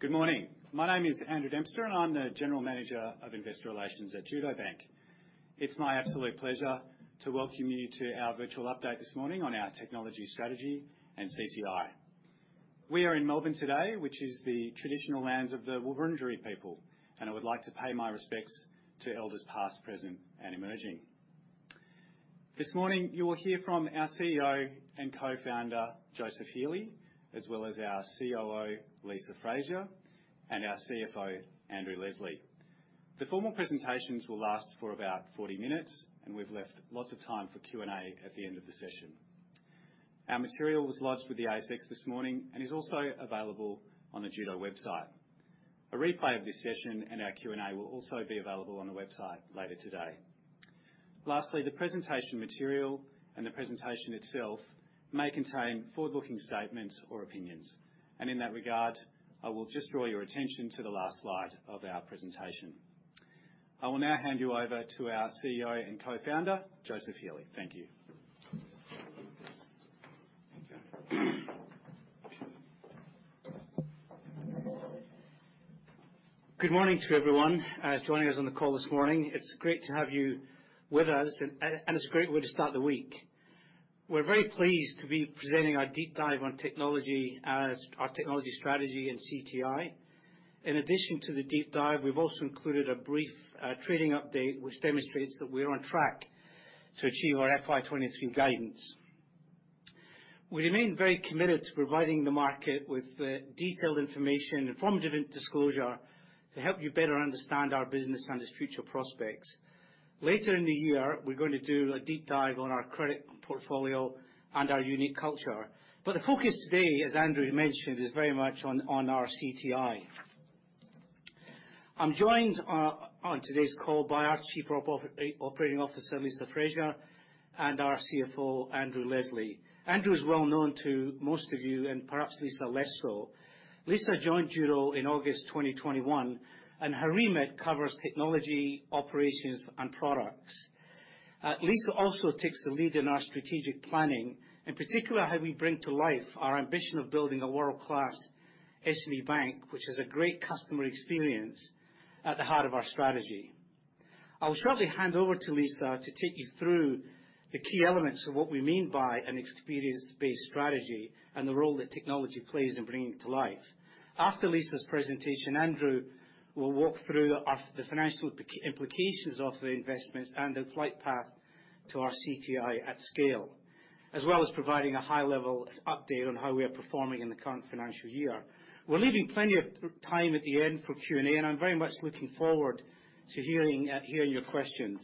Good morning. My name is Andrew Dempster, and I'm the General Manager of Investor Relations at Judo Bank. It's my absolute pleasure to welcome you to our virtual update this morning on our technology strategy and CTI. We are in Melbourne today, which is the traditional lands of the Wurundjeri people, and I would like to pay my respects to elders past, present, and emerging. This morning, you will hear from our CEO and Co-Founder, Joseph Healy, as well as our COO, Lisa Frazier, and our CFO, Andrew Leslie. The formal presentations will last for about 40 minutes, and we've left lots of time for Q&A at the end of the session. Our material was lodged with the ASX this morning and is also available on the Judo website. A replay of this session and our Q&A will also be available on the website later today. Lastly, the presentation material and the presentation itself may contain forward-looking statements or opinions. In that regard, I will just draw your attention to the last slide of our presentation. I will now hand you over to our CEO and Co-Founder, Joseph Healy. Thank you. Thank you. Good morning to everyone, joining us on the call this morning. It's great to have you with us and it's a great way to start the week. We're very pleased to be presenting our deep dive on technology as our technology strategy and CTI. In addition to the deep dive, we've also included a brief trading update, which demonstrates that we're on track to achieve our FY 2023 guidance. We remain very committed to providing the market with detailed information, informative disclosure to help you better understand our business and its future prospects. Later in the year, we're going to do a deep dive on our credit portfolio and our unique culture. The focus today, as Andrew mentioned, is very much on our CTI. I'm joined on today's call by our Chief Operating Officer, Lisa Frazier, and our CFO, Andrew Leslie. Andrew is well known to most of you and perhaps Lisa less so. Lisa joined Judo in August 2021, her remit covers technology, operations, and products. Lisa also takes the lead in our strategic planning, in particular, how we bring to life our ambition of building a world-class SME bank, which has a great customer experience at the heart of our strategy. I'll shortly hand over to Lisa to take you through the key elements of what we mean by an experience-based strategy and the role that technology plays in bringing it to life. After Lisa's presentation, Andrew will walk through our the financial implications of the investments and the flight path to our CTI at scale, as well as providing a high-level update on how we are performing in the current financial year. We're leaving plenty of time at the end for Q&A. I'm very much looking forward to hearing your questions.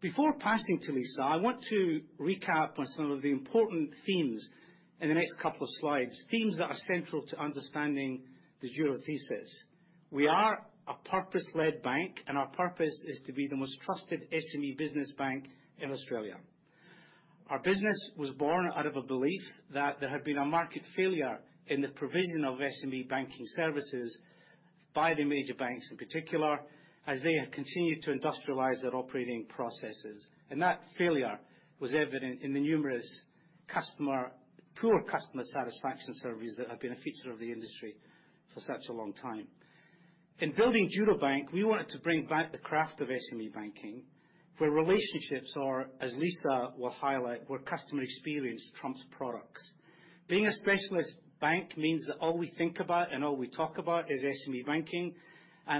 Before passing to Lisa, I want to recap on some of the important themes in the next couple of slides, themes that are central to understanding the Judo thesis. We are a purpose-led bank. Our purpose is to be the most trusted SME business bank in Australia. Our business was born out of a belief that there had been a market failure in the provision of SME banking services by the major banks, in particular, as they have continued to industrialize their operating processes. That failure was evident in the numerous poor customer satisfaction surveys that have been a feature of the industry for such a long time. In building Judo Bank, we wanted to bring back the craft of SME banking, where relationships are, as Lisa will highlight, where customer experience trumps products. Being a specialist bank means that all we think about and all we talk about is SME banking.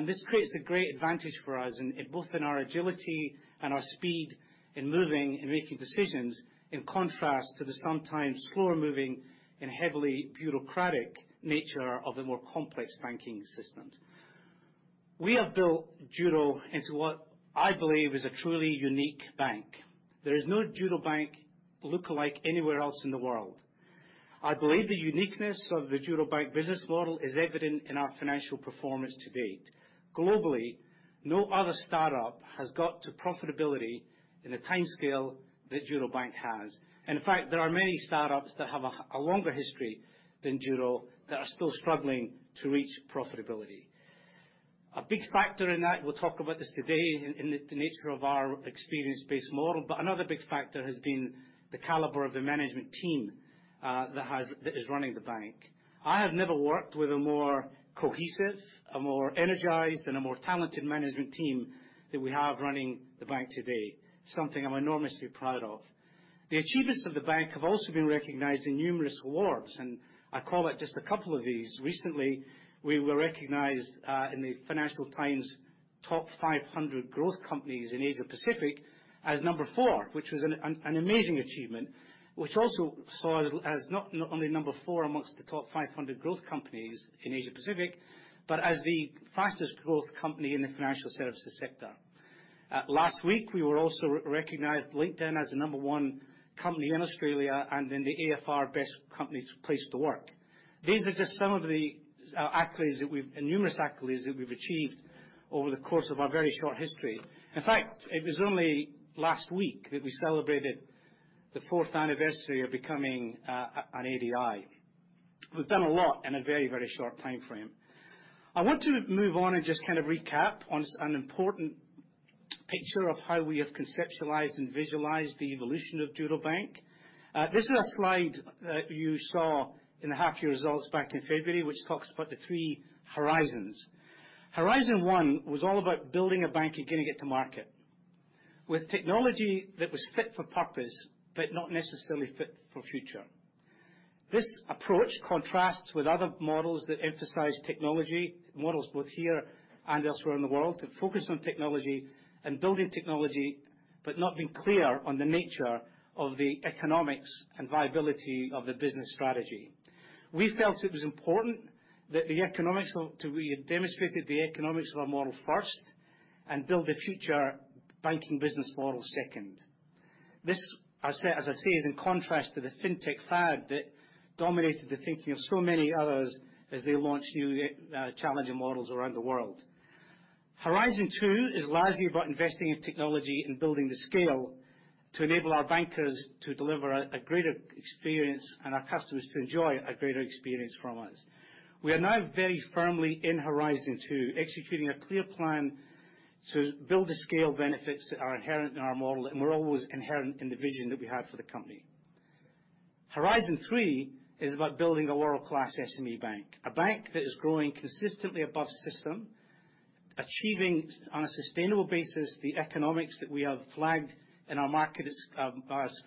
This creates a great advantage for us in both in our agility and our speed in moving and making decisions, in contrast to the sometimes slower-moving and heavily bureaucratic nature of the more complex banking system. We have built Judo into what I believe is a truly unique bank. There is no Judo Bank lookalike anywhere else in the world. I believe the uniqueness of the Judo Bank business model is evident in our financial performance to date. Globally, no other startup has got to profitability in the timescale that Judo Bank has. In fact, there are many startups that have a longer history than Judo that are still struggling to reach profitability. A big factor in that, we'll talk about this today in the nature of our experience-based model, but another big factor has been the caliber of the management team, that is running the bank. I have never worked with a more cohesive, a more energized, and a more talented management team than we have running the bank today, something I'm enormously proud of. The achievements of the bank have also been recognized in numerous awards, I call out just a couple of these. Recently, we were recognized in the Financial Times Top 500 Growth Companies in Asia Pacific as number four, which was an amazing achievement, which also saw us as not only number four amongst the Top 500 Growth Companies in Asia Pacific but as the fastest growth company in the financial services sector. Last week, we were also re-recognized LinkedIn as the number one company in Australia and in the AFR Best Places to Work. These are just some of the accolades and numerous accolades that we've achieved over the course of our very short history. In fact, it was only last week that we celebrated the 4th anniversary of becoming an ADI. We've done a lot in a very, very short timeframe. I want to move on and just kind of recap on an important picture of how we have conceptualized and visualized the evolution of Judo Bank. This is a slide that you saw in the half year results back in February, which talks about the three horizons. Horizon one was all about building a bank and getting it to market. With technology that was fit for purpose, but not necessarily fit for future. This approach contrasts with other models that emphasize technology, models, both here and elsewhere in the world, that focus on technology and building technology, but not being clear on the nature of the economics and viability of the business strategy. We felt it was important that the economics we had demonstrated the economics of our model first, and build the future banking business model second. This as I, as I say, is in contrast to the fintech fad that dominated the thinking of so many others as they launch new challenging models around the world. Horizon two is largely about investing in technology and building the scale to enable our bankers to deliver a greater experience and our customers to enjoy a greater experience from us. We are now very firmly in horizon two, executing a clear plan to build the scale benefits that are inherent in our model and were always inherent in the vision that we had for the company. Horizon three is about building a world-class SME bank. A bank that is growing consistently above system, achieving on a sustainable basis the economics that we have flagged in our market as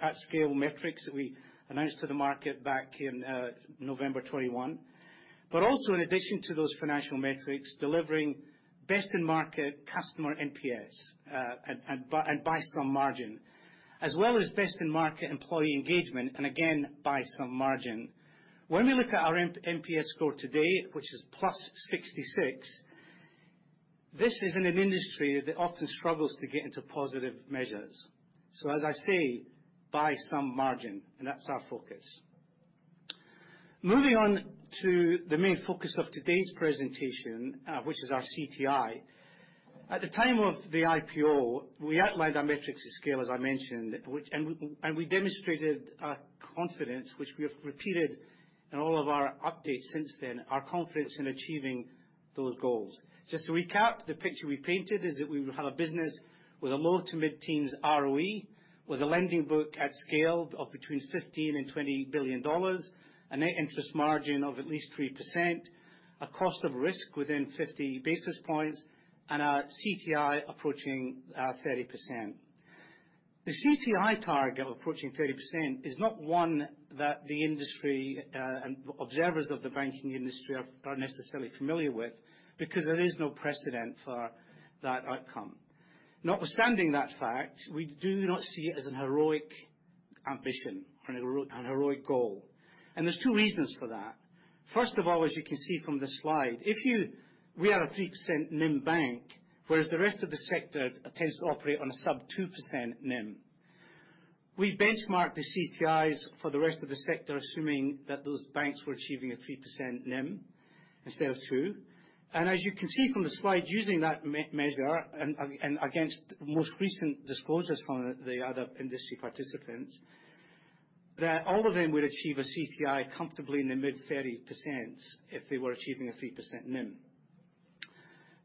at scale metrics that we announced to the market back in November 2021. Also in addition to those financial metrics, delivering best-in-market customer NPS, and by some margin, as well as best-in-market employee engagement, and again, by some margin. When we look at our NPS score today, which is +66, this is in an industry that often struggles to get into positive measures. As I say, by some margin, and that's our focus. Moving on to the main focus of today's presentation, which is our CTI. At the time of the IPO, we outlined our metrics to scale, as I mentioned, which we demonstrated our confidence, which we have repeated in all of our updates since then, our confidence in achieving those goals. To recap, the picture we painted is that we will have a business with a low to mid-teens ROE with a lending book at scale of between 15 billion and 20 billion dollars, a net interest margin of at least 3%, a cost of risk within 50 basis points, and our CTI approaching 30%. The CTI target of approaching 30% is not one that the industry and observers of the banking industry are necessarily familiar with because there is no precedent for that outcome. Notwithstanding that fact, we do not see it as an heroic ambition or an heroic goal. There's two reasons for that. First of all, as you can see from this slide, we are a 3% NIM bank, whereas the rest of the sector tends to operate on a sub 2% NIM. We benchmarked the CTIs for the rest of the sector, assuming that those banks were achieving a 3% NIM instead of 2%. As you can see from the slide, using that measure and against most recent disclosures from the other industry participants, that all of them would achieve a CTI comfortably in the mid 30% if they were achieving a 3% NIM.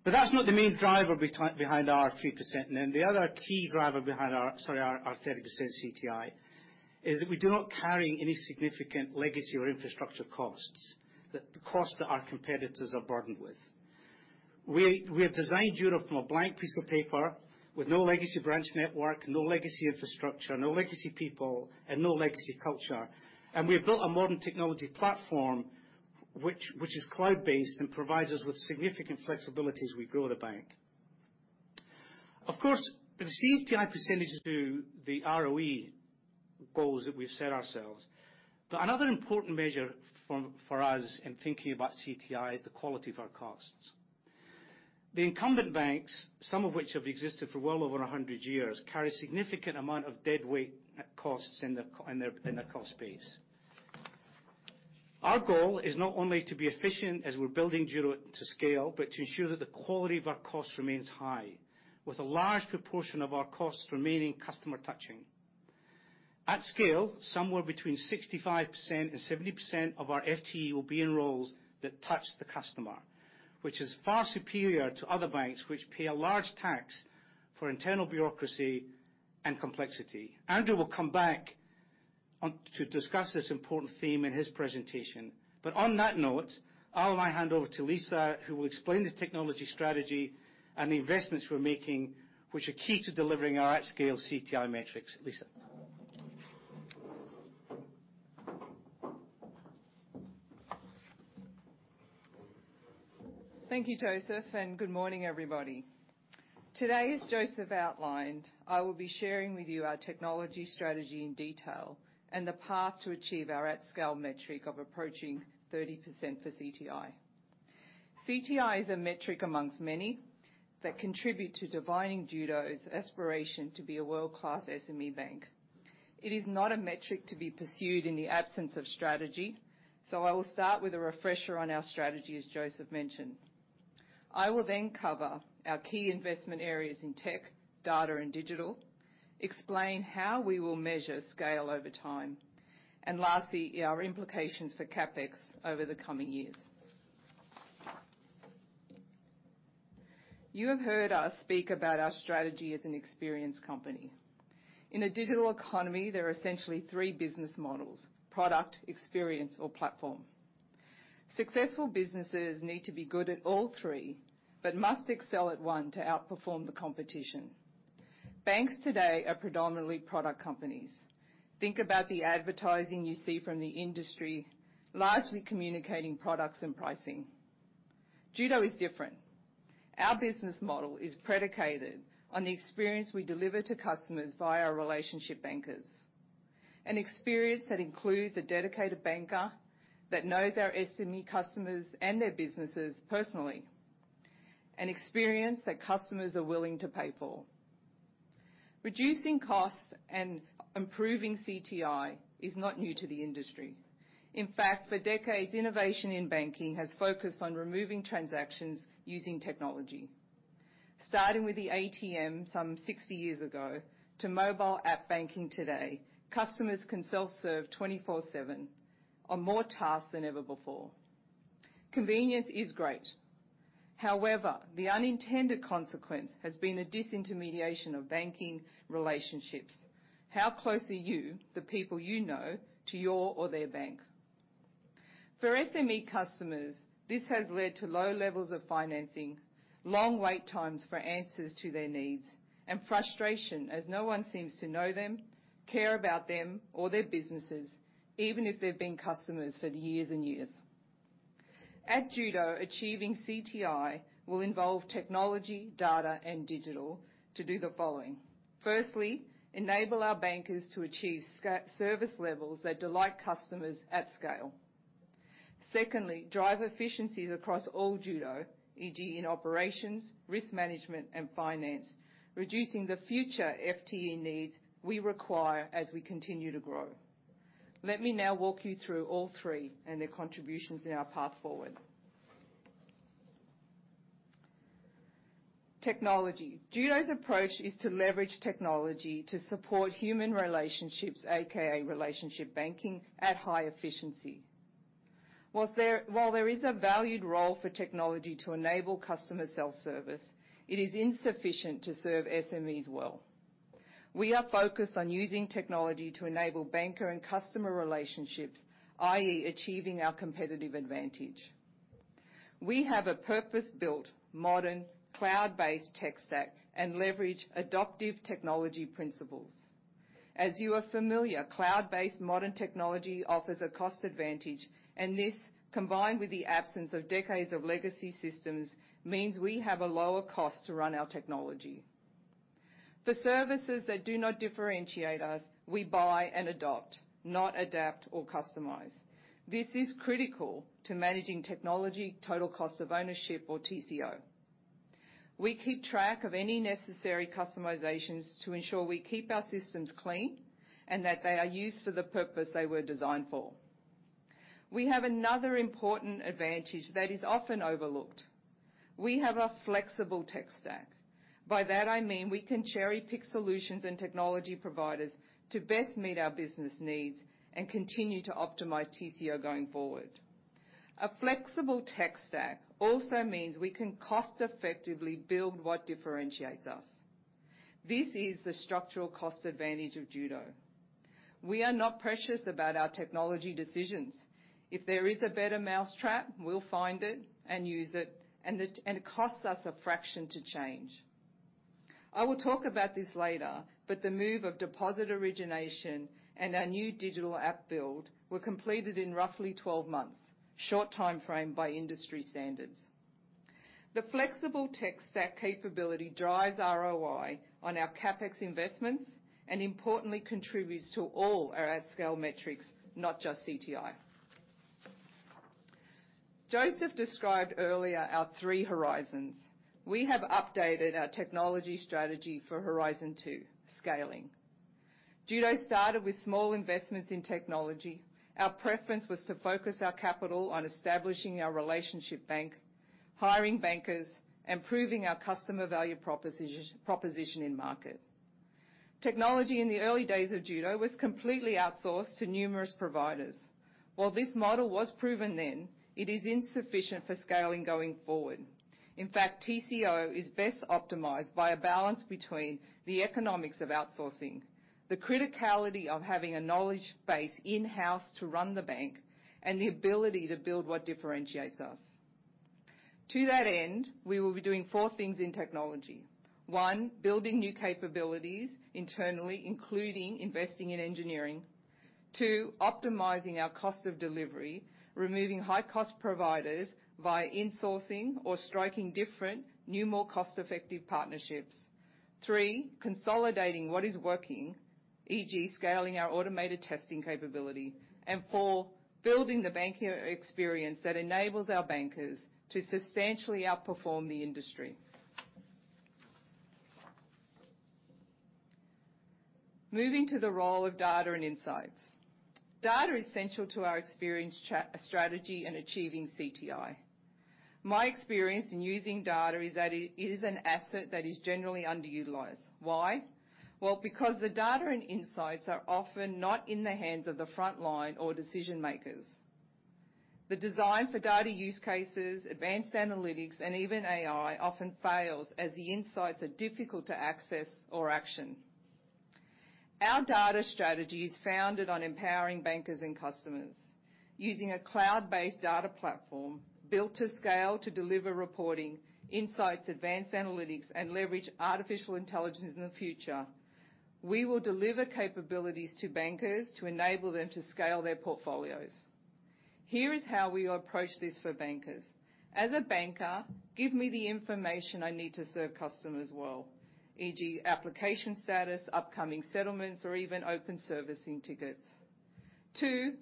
That's not the main driver behind our 3% NIM. The other key driver behind our 30% CTI is that we do not carry any significant legacy or infrastructure costs, the costs that our competitors are burdened with. We have designed Judo from a blank piece of paper with no legacy branch network, no legacy infrastructure, no legacy people, and no legacy culture. We've built a modern technology platform which is cloud-based and provides us with significant flexibility as we grow the bank. Of course, the CTI percentage to the ROE goals that we've set ourselves. Another important measure for us in thinking about CTI is the quality of our costs. The incumbent banks, some of which have existed for well over 100 years, carry a significant amount of deadweight costs in their cost base. Our goal is not only to be efficient as we're building Judo to scale, but to ensure that the quality of our costs remains high, with a large proportion of our costs remaining customer-touching. At scale, somewhere between 65% and 70% of our FTE will be in roles that touch the customer, which is far superior to other banks which pay a large tax for internal bureaucracy and complexity. Andrew will come back on to discuss this important theme in his presentation. On that note, I'll now hand over to Lisa, who will explain the technology strategy and the investments we're making, which are key to delivering our at scale CTI metrics. Lisa. Thank you, Joseph. Good morning, everybody. Today, as Joseph outlined, I will be sharing with you our technology strategy in detail and the path to achieve our at scale metric of approaching 30% for CTI. CTI is a metric amongst many that contribute to defining Judo's aspiration to be a world-class SME bank. It is not a metric to be pursued in the absence of strategy. I will start with a refresher on our strategy, as Joseph mentioned. I will then cover our key investment areas in tech, data, and digital, explain how we will measure scale over time. Lastly, our implications for CapEx over the coming years. You have heard us speak about our strategy as an experience company. In a digital economy, there are essentially three business models: product, experience, or platform. Successful businesses need to be good at all three, but must excel at one to outperform the competition. Banks today are predominantly product companies. Think about the advertising you see from the industry, largely communicating products and pricing. Judo is different. Our business model is predicated on the experience we deliver to customers via our relationship bankers, an experience that includes a dedicated banker that knows our SME customers and their businesses personally, an experience that customers are willing to pay for. Reducing costs and improving CTI is not new to the industry. In fact, for decades, innovation in banking has focused on removing transactions using technology. Starting with the ATM some 60 years ago to mobile app banking today, customers can self-serve 24/7 on more tasks than ever before. Convenience is great. However, the unintended consequence has been a disintermediation of banking relationships. How close are you, the people you know, to your or their bank? For SME customers, this has led to low levels of financing, long wait times for answers to their needs, and frustration as no one seems to know them, care about them or their businesses, even if they've been customers for years and years. At Judo, achieving CTI will involve technology, data, and digital to do the following. Firstly, enable our bankers to achieve service levels that delight customers at scale. Secondly, drive efficiencies across all Judo, e.g., in operations, risk management, and finance, reducing the future FTE needs we require as we continue to grow. Let me now walk you through all three and their contributions in our path forward. Technology. Judo's approach is to leverage technology to support human relationships, AKA relationship banking, at high efficiency. While there is a valued role for technology to enable customer self-service, it is insufficient to serve SMEs well. We are focused on using technology to enable banker and customer relationships, i.e., achieving our competitive advantage. We have a purpose-built, modern, cloud-based tech stack and leverage adoptive technology principles. As you are familiar, cloud-based modern technology offers a cost advantage, and this, combined with the absence of decades of legacy systems, means we have a lower cost to run our technology. The services that do not differentiate us, we buy and adopt, not adapt or customize. This is critical to managing technology total cost of ownership or TCO. We keep track of any necessary customizations to ensure we keep our systems clean and that they are used for the purpose they were designed for. We have another important advantage that is often overlooked. We have a flexible tech stack. By that I mean, we can cherry-pick solutions and technology providers to best meet our business needs and continue to optimize TCO going forward. A flexible tech stack also means we can cost-effectively build what differentiates us. This is the structural cost advantage of Judo. We are not precious about our technology decisions. If there is a better mousetrap, we'll find it and use it, and it costs us a fraction to change. I will talk about this later, the move of deposit origination and our new digital app build were completed in roughly 12 months, short timeframe by industry standards. The flexible tech stack capability drives ROI on our CapEx investments and importantly, contributes to all our at scale metrics, not just CTI. Joseph described earlier our three horizons. We have updated our technology strategy for Horizon 2, scaling. Judo Bank started with small investments in technology. Our preference was to focus our capital on establishing our relationship bank, hiring bankers, and proving our customer value proposition in market. Technology in the early days of Judo Bank was completely outsourced to numerous providers. This model was proven then, it is insufficient for scaling going forward. In fact, TCO is best optimized by a balance between the economics of outsourcing, the criticality of having a knowledge base in-house to run the bank, and the ability to build what differentiates us. To that end, we will be doing four things in technology. One, building new capabilities internally, including investing in engineering. Two, optimizing our cost of delivery, removing high-cost providers via insourcing or striking different, new, more cost-effective partnerships. Three, consolidating what is working, e.g., scaling our automated testing capability. Four, building the banking experience that enables our bankers to substantially outperform the industry. Moving to the role of data and insights. Data is essential to our experience strategy in achieving CTI. My experience in using data is that it is an asset that is generally underutilized. Why? Well, because the data and insights are often not in the hands of the front line or decision-makers. The design for data use cases, advanced analytics, and even AI often fails as the insights are difficult to access or action. Our data strategy is founded on empowering bankers and customers. Using a cloud-based data platform built to scale to deliver reporting, insights, advanced analytics, and leverage artificial intelligence in the future, we will deliver capabilities to bankers to enable them to scale their portfolios. Here is how we will approach this for bankers. As a banker, give me the information I need to serve customers well, e.g., application status, upcoming settlements, or even open servicing tickets. Two,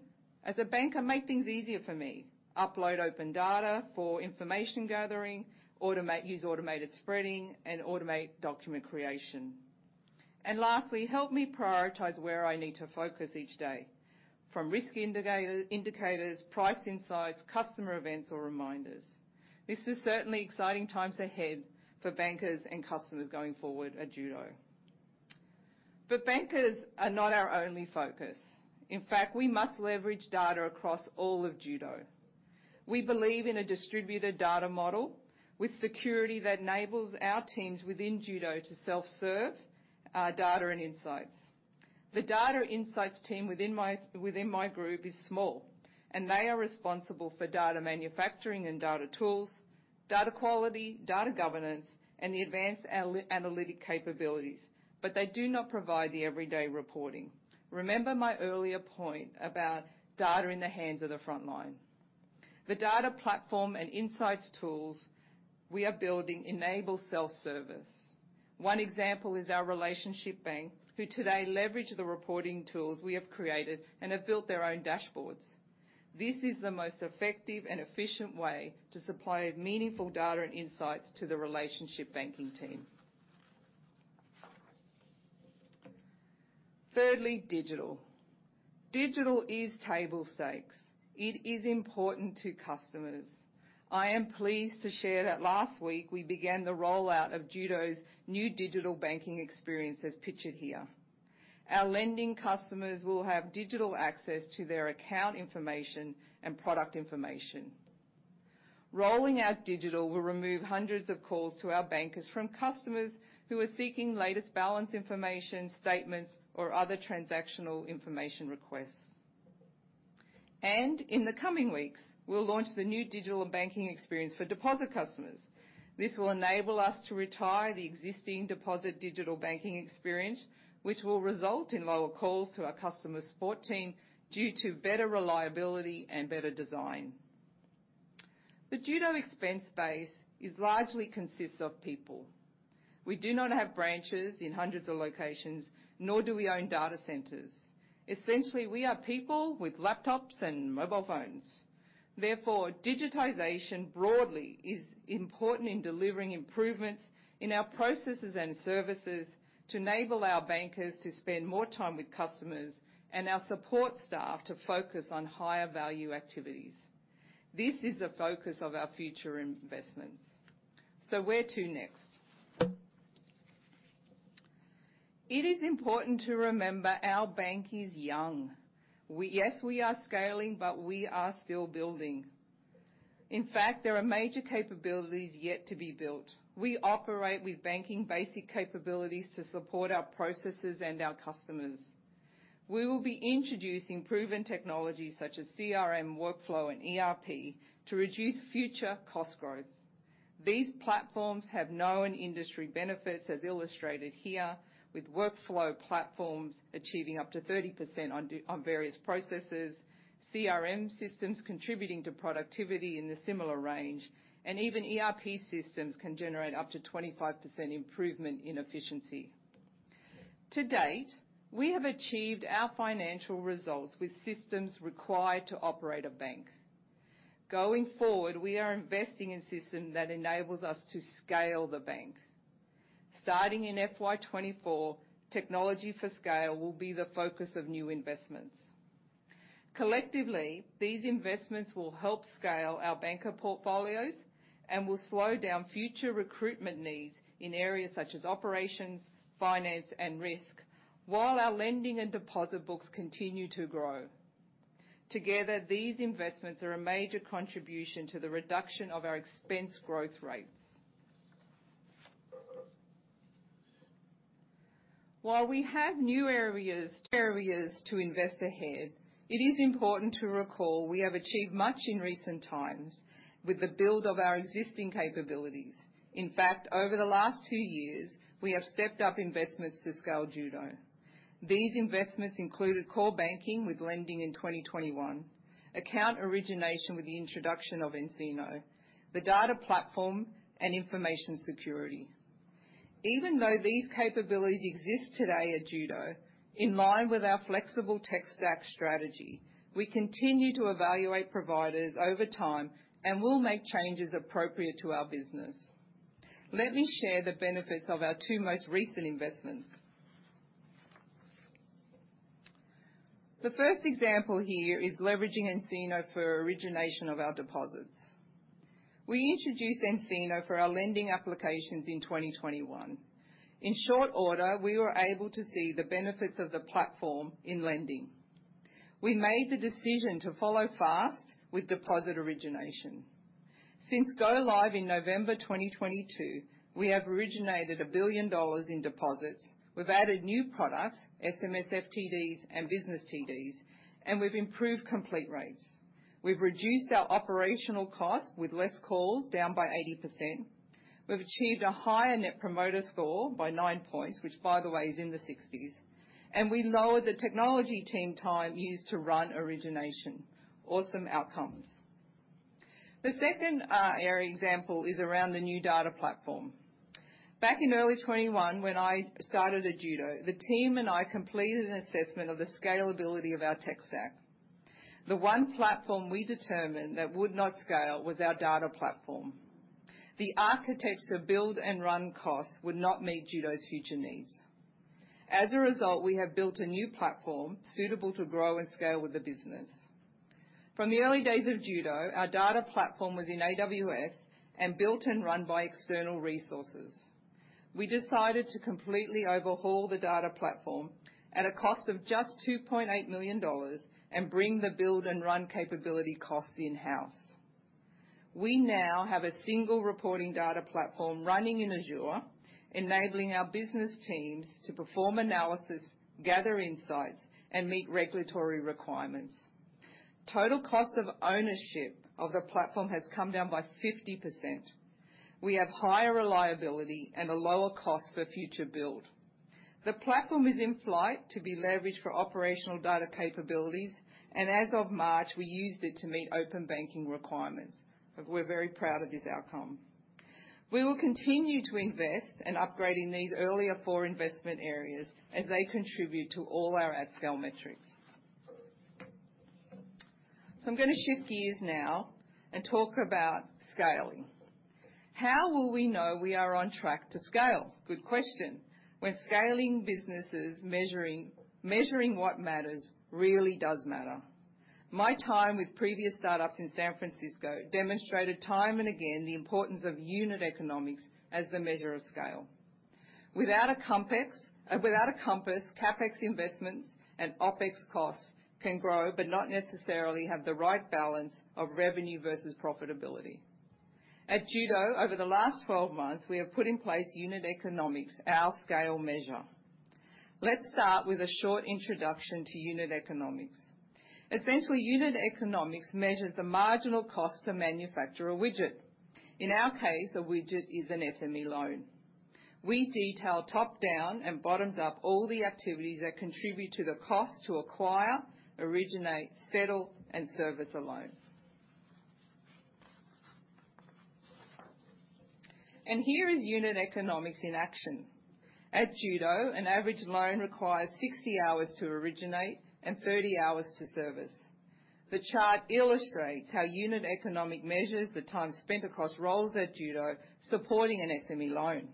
as a banker, make things easier for me. Upload open data for information gathering, use automated spreading, and automate document creation. Lastly, help me prioritize where I need to focus each day, from risk indicators, price insights, customer events, or reminders. This is certainly exciting times ahead for bankers and customers going forward at Judo. Bankers are not our only focus. In fact, we must leverage data across all of Judo. We believe in a distributed data model with security that enables our teams within Judo to self-serve data and insights. The data insights team within my group is small, and they are responsible for data manufacturing and data tools, data quality, data governance, and the advanced analytic capabilities, but they do not provide the everyday reporting. Remember my earlier point about data in the hands of the front line. The data platform and insights tools we are building enable self-service. One example is our relationship bank, who today leverage the reporting tools we have created and have built their own dashboards. This is the most effective and efficient way to supply meaningful data and insights to the relationship banking team. Thirdly, digital. Digital is table stakes. It is important to customers. I am pleased to share that last week we began the rollout of Judo's new digital banking experience as pictured here. Our lending customers will have digital access to their account information and product information. Rolling out digital will remove hundreds of calls to our bankers from customers who are seeking latest balance information, statements, or other transactional information requests. In the coming weeks, we'll launch the new digital banking experience for deposit customers. This will enable us to retire the existing deposit digital banking experience, which will result in lower calls to our customer support team due to better reliability and better design. The Judo expense base is largely consists of people. We do not have branches in hundreds of locations, nor do we own data centers. Essentially, we are people with laptops and mobile phones. Therefore, digitization broadly is important in delivering improvements in our processes and services to enable our bankers to spend more time with customers and our support staff to focus on higher value activities. This is the focus of our future investments. Where to next? It is important to remember our bank is young. Yes, we are scaling, but we are still building. In fact, there are major capabilities yet to be built. We operate with banking basic capabilities to support our processes and our customers. We will be introducing proven technologies such as CRM, workflow, and ERP to reduce future cost growth. These platforms have known industry benefits as illustrated here, with workflow platforms achieving up to 30% on various processes, CRM systems contributing to productivity in the similar range, and even ERP systems can generate up to 25% improvement in efficiency. To date, we have achieved our financial results with systems required to operate a bank. Going forward, we are investing in system that enables us to scale the bank. Starting in FY 2024, technology for scale will be the focus of new investments. Collectively, these investments will help scale our banker portfolios and will slow down future recruitment needs in areas such as operations, finance, and risk, while our lending and deposit books continue to grow. Together, these investments are a major contribution to the reduction of our expense growth rates. While we have new areas to invest ahead, it is important to recall we have achieved much in recent times with the build of our existing capabilities. In fact, over the last two years, we have stepped up investments to scale Judo. These investments included core banking with lending in 2021, account origination with the introduction of nCino, the data platform, and information security. Even though these capabilities exist today at Judo, in line with our flexible tech stack strategy, we continue to evaluate providers over time and will make changes appropriate to our business. Let me share the benefits of our two most recent investments. The first example here is leveraging nCino for origination of our deposits. We introduced nCino for our lending applications in 2021. In short order, we were able to see the benefits of the platform in lending. We made the decision to follow fast with deposit origination. Since go live in November 2022, we have originated 1 billion dollars in deposits. We've added new products, SME FTDs and business TDs, and we've improved complete rates. We've reduced our operational costs with less calls down by 80%. We've achieved a higher net promoter score by nine points, which by the way, is in the sixties, and we lowered the technology team time used to run origination. Awesome outcomes. The second area example is around the new data platform. Back in early 2021, when I started at Judo, the team and I completed an assessment of the scalability of our tech stack. The one platform we determined that would not scale was our data platform. The architecture build and run costs would not meet Judo's future needs. We have built a new platform suitable to grow and scale with the business. From the early days of Judo, our data platform was in AWS and built and run by external resources. We decided to completely overhaul the data platform at a cost of just 2.8 million dollars and bring the build and run capability costs in-house. We now have a single reporting data platform running in Azure, enabling our business teams to perform analysis, gather insights, and meet regulatory requirements. Total cost of ownership of the platform has come down by 50%. We have higher reliability and a lower cost for future build. The platform is in flight to be leveraged for operational data capabilities, as of March, we used it to meet open banking requirements. We're very proud of this outcome. We will continue to invest in upgrading these earlier four investment areas as they contribute to all our at scale metrics. I'm gonna shift gears now and talk about scaling. How will we know we are on track to scale? Good question. When scaling businesses, measuring what matters really does matter. My time with previous startups in San Francisco demonstrated time and again the importance of unit economics as the measure of scale. Without a compass, CapEx investments and OpEx costs can grow, not necessarily have the right balance of revenue versus profitability. At Judo, over the last 12 months, we have put in place unit economics, our scale measure. Let's start with a short introduction to unit economics. Essentially, unit economics measures the marginal cost to manufacture a widget. In our case, a widget is an SME loan. We detail top-down and bottoms-up all the activities that contribute to the cost to acquire, originate, settle, and service a loan. Here is unit economics in action. At Judo, an average loan requires 60 hours to originate and 30 hours to service. The chart illustrates how unit economic measures the time spent across roles at Judo supporting an SME loan.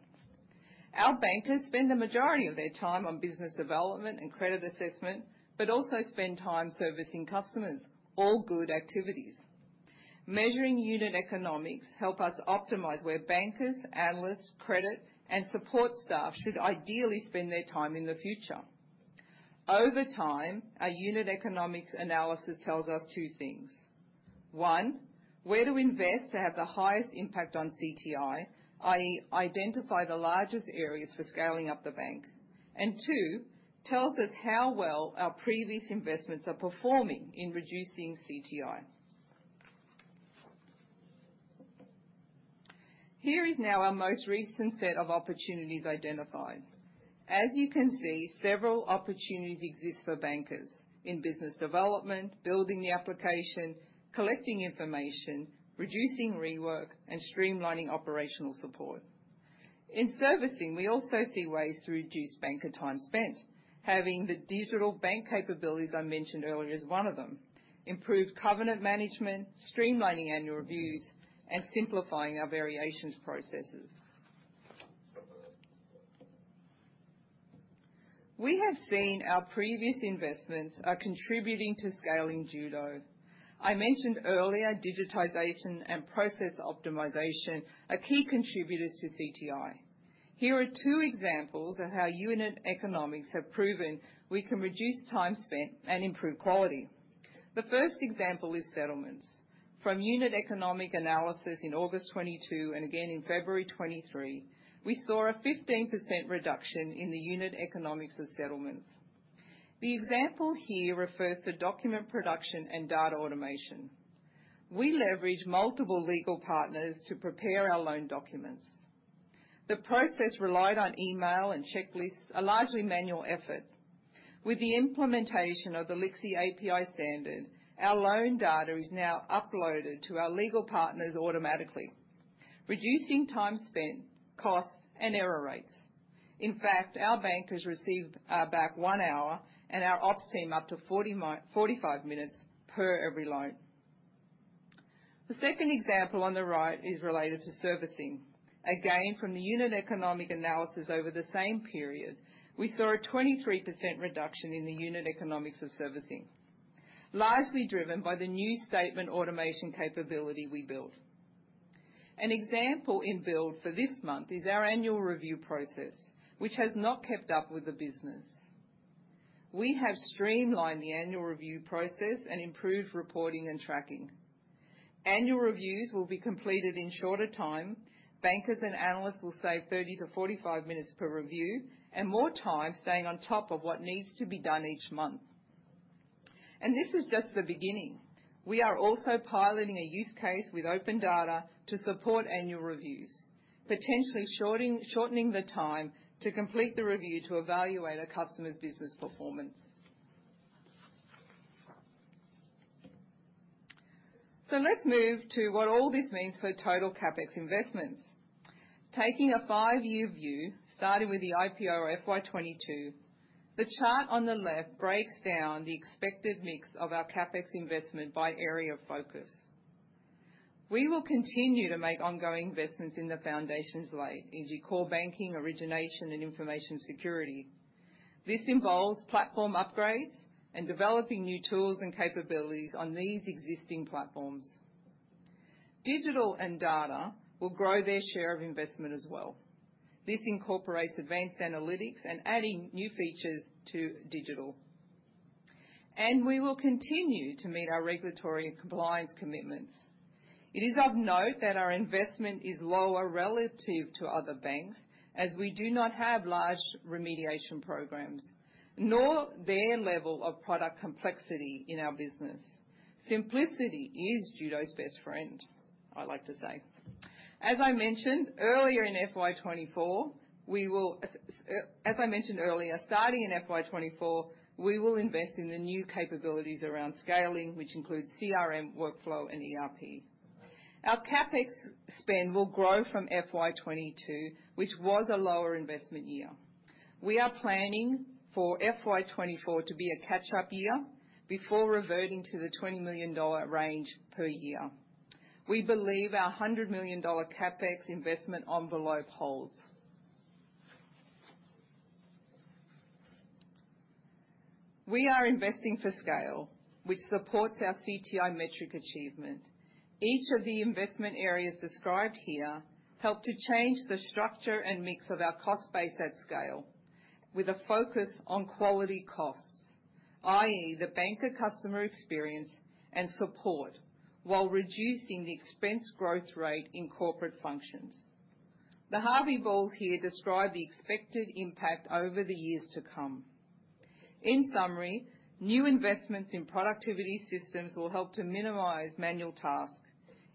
Our bankers spend the majority of their time on business development and credit assessment, but also spend time servicing customers, all good activities. Measuring unit economics help us optimize where bankers, analysts, credit, and support staff should ideally spend their time in the future. Over time, our unit economics analysis tells us two things. One, where to invest to have the highest impact on CTI, i.e., identify the largest areas for scaling up the bank. Two, tells us how well our previous investments are performing in reducing CTI. Here is now our most recent set of opportunities identified. As you can see, several opportunities exist for bankers in business development, building the application, collecting information, reducing rework, and streamlining operational support. In servicing, we also see ways to reduce banker time spent. Having the digital bank capabilities I mentioned earlier is one of them. Improved covenant management, streamlining annual reviews, and simplifying our variations processes. We have seen our previous investments are contributing to scaling Judo. I mentioned earlier digitization and process optimization are key contributors to CTI. Here are two examples of how unit economics have proven we can reduce time spent and improve quality. The first example is settlements. From unit economic analysis in August 22 and again in February 23, we saw a 15% reduction in the unit economics of settlements. The example here refers to document production and data automation. We leverage multiple legal partners to prepare our loan documents. The process relied on email and checklists, a largely manual effort. With the implementation of the LIXI API standard, our loan data is now uploaded to our legal partners automatically, reducing time spent, costs, and error rates. In fact, our bankers receive back one hour and our ops team up to 45 minutes per every loan. The second example on the right is related to servicing. From the unit economic analysis over the same period, we saw a 23% reduction in the unit economics of servicing, largely driven by the new statement automation capability we built. An example in build for this month is our annual review process, which has not kept up with the business. We have streamlined the annual review process and improved reporting and tracking. Annual reviews will be completed in shorter time. Bankers and analysts will save 30-45 minutes per review and more time staying on top of what needs to be done each month. This is just the beginning. We are also piloting a use case with open data to support annual reviews, potentially shortening the time to complete the review to evaluate a customer's business performance. Let's move to what all this means for total CapEx investments. Taking a five-year view, starting with the IPO FY 2022, the chart on the left breaks down the expected mix of our CapEx investment by area of focus. We will continue to make ongoing investments in the foundations layer, in core banking, origination, and information security. This involves platform upgrades and developing new tools and capabilities on these existing platforms. Digital and data will grow their share of investment as well. This incorporates advanced analytics and adding new features to digital. We will continue to meet our regulatory and compliance commitments. It is of note that our investment is lower relative to other banks, as we do not have large remediation programs, nor their level of product complexity in our business. Simplicity is Judo's best friend, I like to say. As I mentioned earlier, starting in FY 2024, we will invest in the new capabilities around scaling, which includes CRM, workflow, and ERP. Our CapEx spend will grow from FY 2022, which was a lower investment year. We are planning for FY 2024 to be a catch-up year before reverting to the $20 million range per year. We believe our $100 million CapEx investment envelope holds. We are investing for scale, which supports our CTI metric achievement. Each of the investment areas described here help to change the structure and mix of our cost base at scale with a focus on quality costs, i.e., the banker customer experience and support, while reducing the expense growth rate in corporate functions. The Harvey balls here describe the expected impact over the years to come. In summary, new investments in productivity systems will help to minimize manual tasks,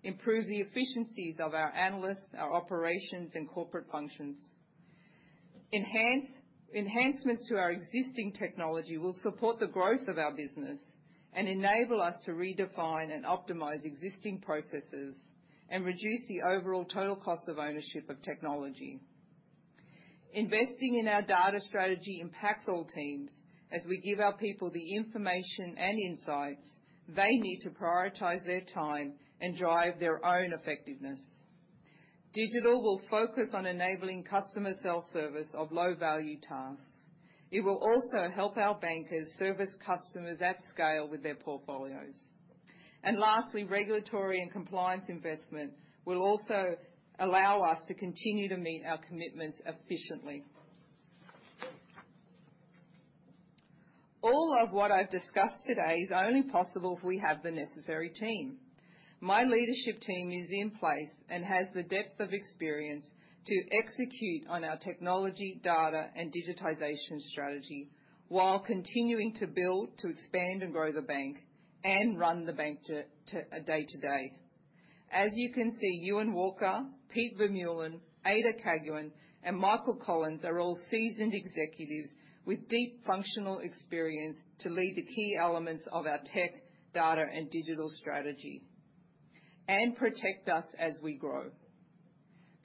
improve the efficiencies of our analysts, our operations, and corporate functions. Enhancements to our existing technology will support the growth of our business and enable us to redefine and optimize existing processes and reduce the overall total cost of ownership of technology. Investing in our data strategy impacts all teams as we give our people the information and insights they need to prioritize their time and drive their own effectiveness. Digital will focus on enabling customer self-service of low-value tasks. It will also help our bankers service customers at scale with their portfolios. Lastly, regulatory and compliance investment will also allow us to continue to meet our commitments efficiently. All of what I've discussed today is only possible if we have the necessary team. My leadership team is in place and has the depth of experience to execute on our technology, data, and digitization strategy while continuing to build, to expand, and grow the bank and run the bank day to day. As you can see, Euan Walker, Pete Vermeulen, Ada Caguin, and Michael Collins are all seasoned executives with deep functional experience to lead the key elements of our tech, data, and digital strategy and protect us as we grow.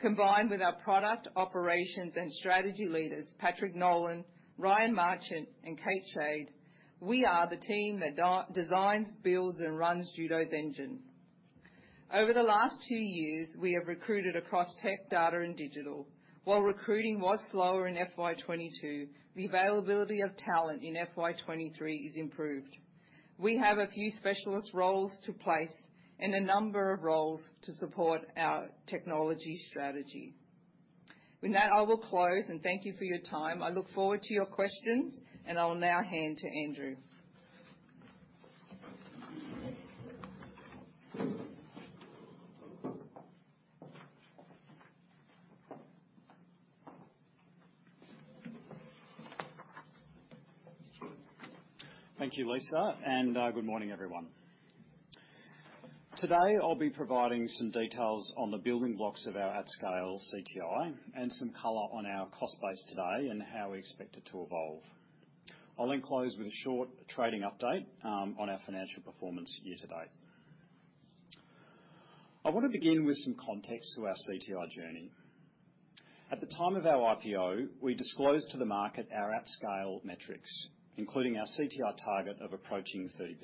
Combined with our product, operations, and strategy leaders, Patrick Nolan, Ryan Marchant, and Kate Schade, we are the team that designs, builds, and runs Judo's engine. Over the last two years, we have recruited across tech, data, and digital. While recruiting was slower in FY 2022, the availability of talent in FY 2023 is improved. We have a few specialist roles to place and a number of roles to support our technology strategy. With that, I will close, and thank you for your time. I look forward to your questions, and I will now hand to Andrew. Thank you, Lisa, and good morning, everyone. Today, I'll be providing some details on the building blocks of our at scale CTI and some color on our cost base today and how we expect it to evolve. I'll then close with a short trading update on our financial performance year-to-date. I want to begin with some context to our CTI journey. At the time of our IPO, we disclosed to the market our at scale metrics, including our CTI target of approaching 30%.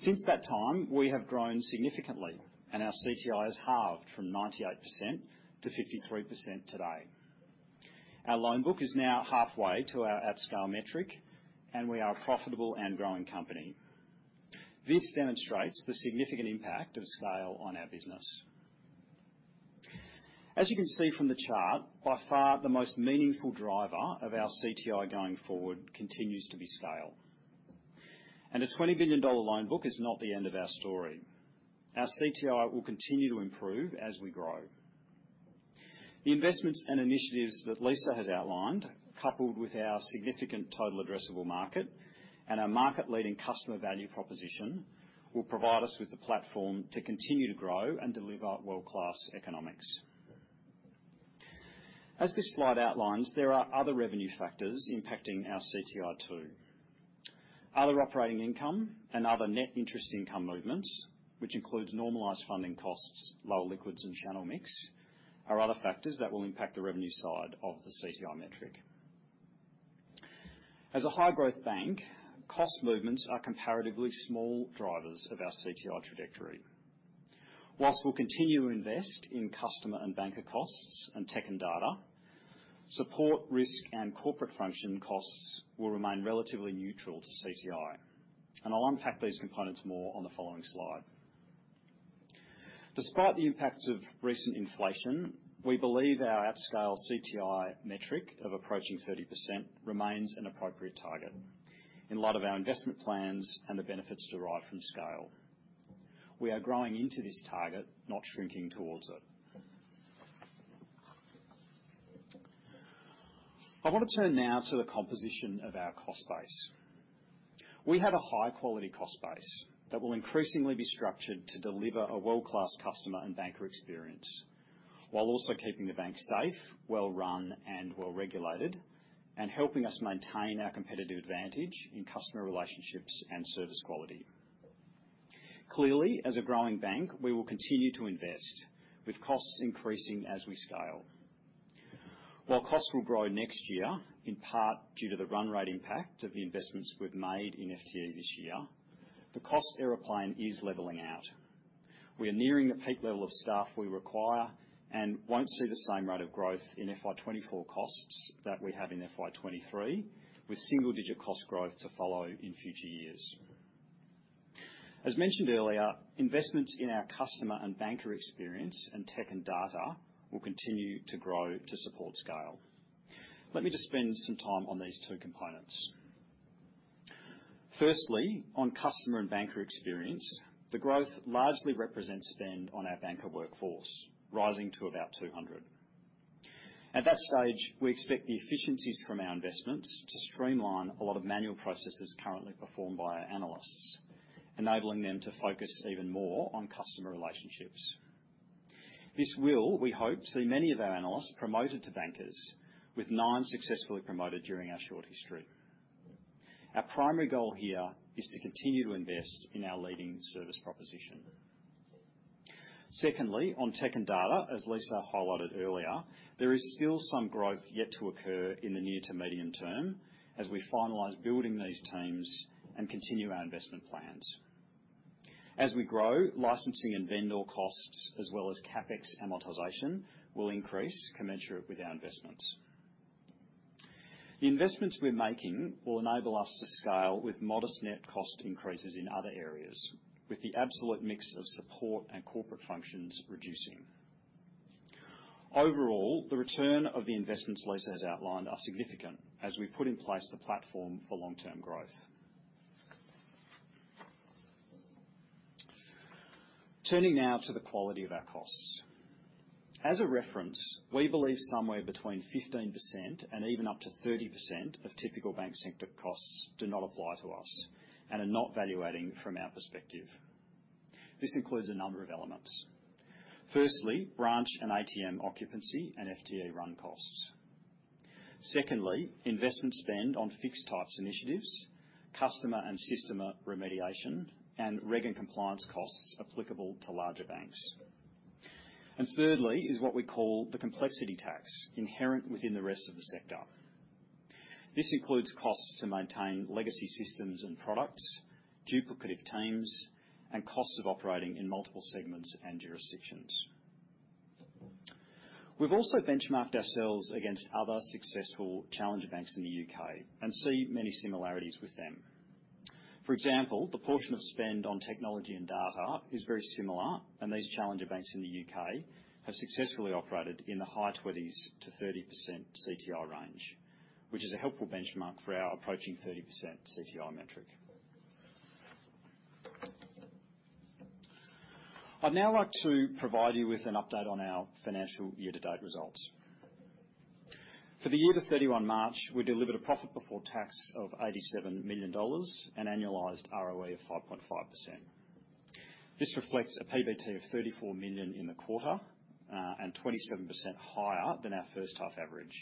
Since that time, we have grown significantly and our CTI has halved from 98% to 53% today. Our loan book is now halfway to our at scale metric, and we are a profitable and growing company. This demonstrates the significant impact of scale on our business. As you can see from the chart, by far the most meaningful driver of our CTI going forward continues to be scale. A 20 billion dollar loan book is not the end of our story. Our CTI will continue to improve as we grow. The investments and initiatives that Lisa has outlined, coupled with our significant total addressable market and our market-leading customer value proposition, will provide us with the platform to continue to grow and deliver world-class economics. As this slide outlines, there are other revenue factors impacting our CTI too. Other operating income and other net interest income movements, which includes normalized funding costs, lower liquids and channel mix, are other factors that will impact the revenue side of the CTI metric. As a high-growth bank, cost movements are comparatively small drivers of our CTI trajectory. Whilst we'll continue to invest in customer and banker costs and tech and data, support, risk, and corporate function costs will remain relatively neutral to CTI. I'll unpack these components more on the following slide. Despite the impacts of recent inflation, we believe our at scale CTI metric of approaching 30% remains an appropriate target in light of our investment plans and the benefits derived from scale. We are growing into this target, not shrinking towards it. I want to turn now to the composition of our cost base. We have a high-quality cost base that will increasingly be structured to deliver a world-class customer and banker experience, while also keeping the bank safe, well-run, and well-regulated, and helping us maintain our competitive advantage in customer relationships and service quality. Clearly, as a growing bank, we will continue to invest, with costs increasing as we scale. While costs will grow next year, in part due to the run rate impact of the investments we've made in FTE this year, the cost airplane is leveling out. We are nearing the peak level of staff we require and won't see the same rate of growth in FY 2024 costs that we have in FY 2023, with single-digit cost growth to follow in future years. As mentioned earlier, investments in our customer and banker experience and tech and data will continue to grow to support scale. Let me just spend some time on these two components. Firstly, on customer and banker experience, the growth largely represents spend on our banker workforce, rising to about 200. At that stage, we expect the efficiencies from our investments to streamline a lot of manual processes currently performed by our analysts, enabling them to focus even more on customer relationships. This will, we hope, see many of our analysts promoted to bankers, with nine successfully promoted during our short history. Our primary goal here is to continue to invest in our leading service proposition. Secondly, on tech and data, as Lisa highlighted earlier, there is still some growth yet to occur in the near to medium term as we finalize building these teams and continue our investment plans. As we grow, licensing and vendor costs, as well as CapEx amortization, will increase commensurate with our investments. The investments we're making will enable us to scale with modest net cost increases in other areas, with the absolute mix of support and corporate functions reducing. Overall, the return of the investments Lisa has outlined are significant as we put in place the platform for long-term growth. Turning now to the quality of our costs. As a reference, we believe somewhere between 15% and even up to 30% of typical bank sector costs do not apply to us and are not value-adding from our perspective. This includes a number of elements. Firstly, branch and ATM occupancy and FTE run costs. Secondly, investment spend on fixed types initiatives, customer and system remediation, and reg and compliance costs applicable to larger banks. Thirdly is what we call the complexity tax inherent within the rest of the sector. This includes costs to maintain legacy systems and products, duplicative teams, and costs of operating in multiple segments and jurisdictions. We've also benchmarked ourselves against other successful challenger banks in the U.K. and see many similarities with them. For example, the portion of spend on technology and data is very similar, these challenger banks in the U.K. have successfully operated in the high 20s-30% CTI range, which is a helpful benchmark for our approaching 30% CTI metric. I'd now like to provide you with an update on our financial year-to-date results. For the year to 31 March, we delivered a profit before tax of AUD 87 million and annualized ROE of 5.5%. This reflects a PBT of 34 million in the quarter, 27% higher than our first half average.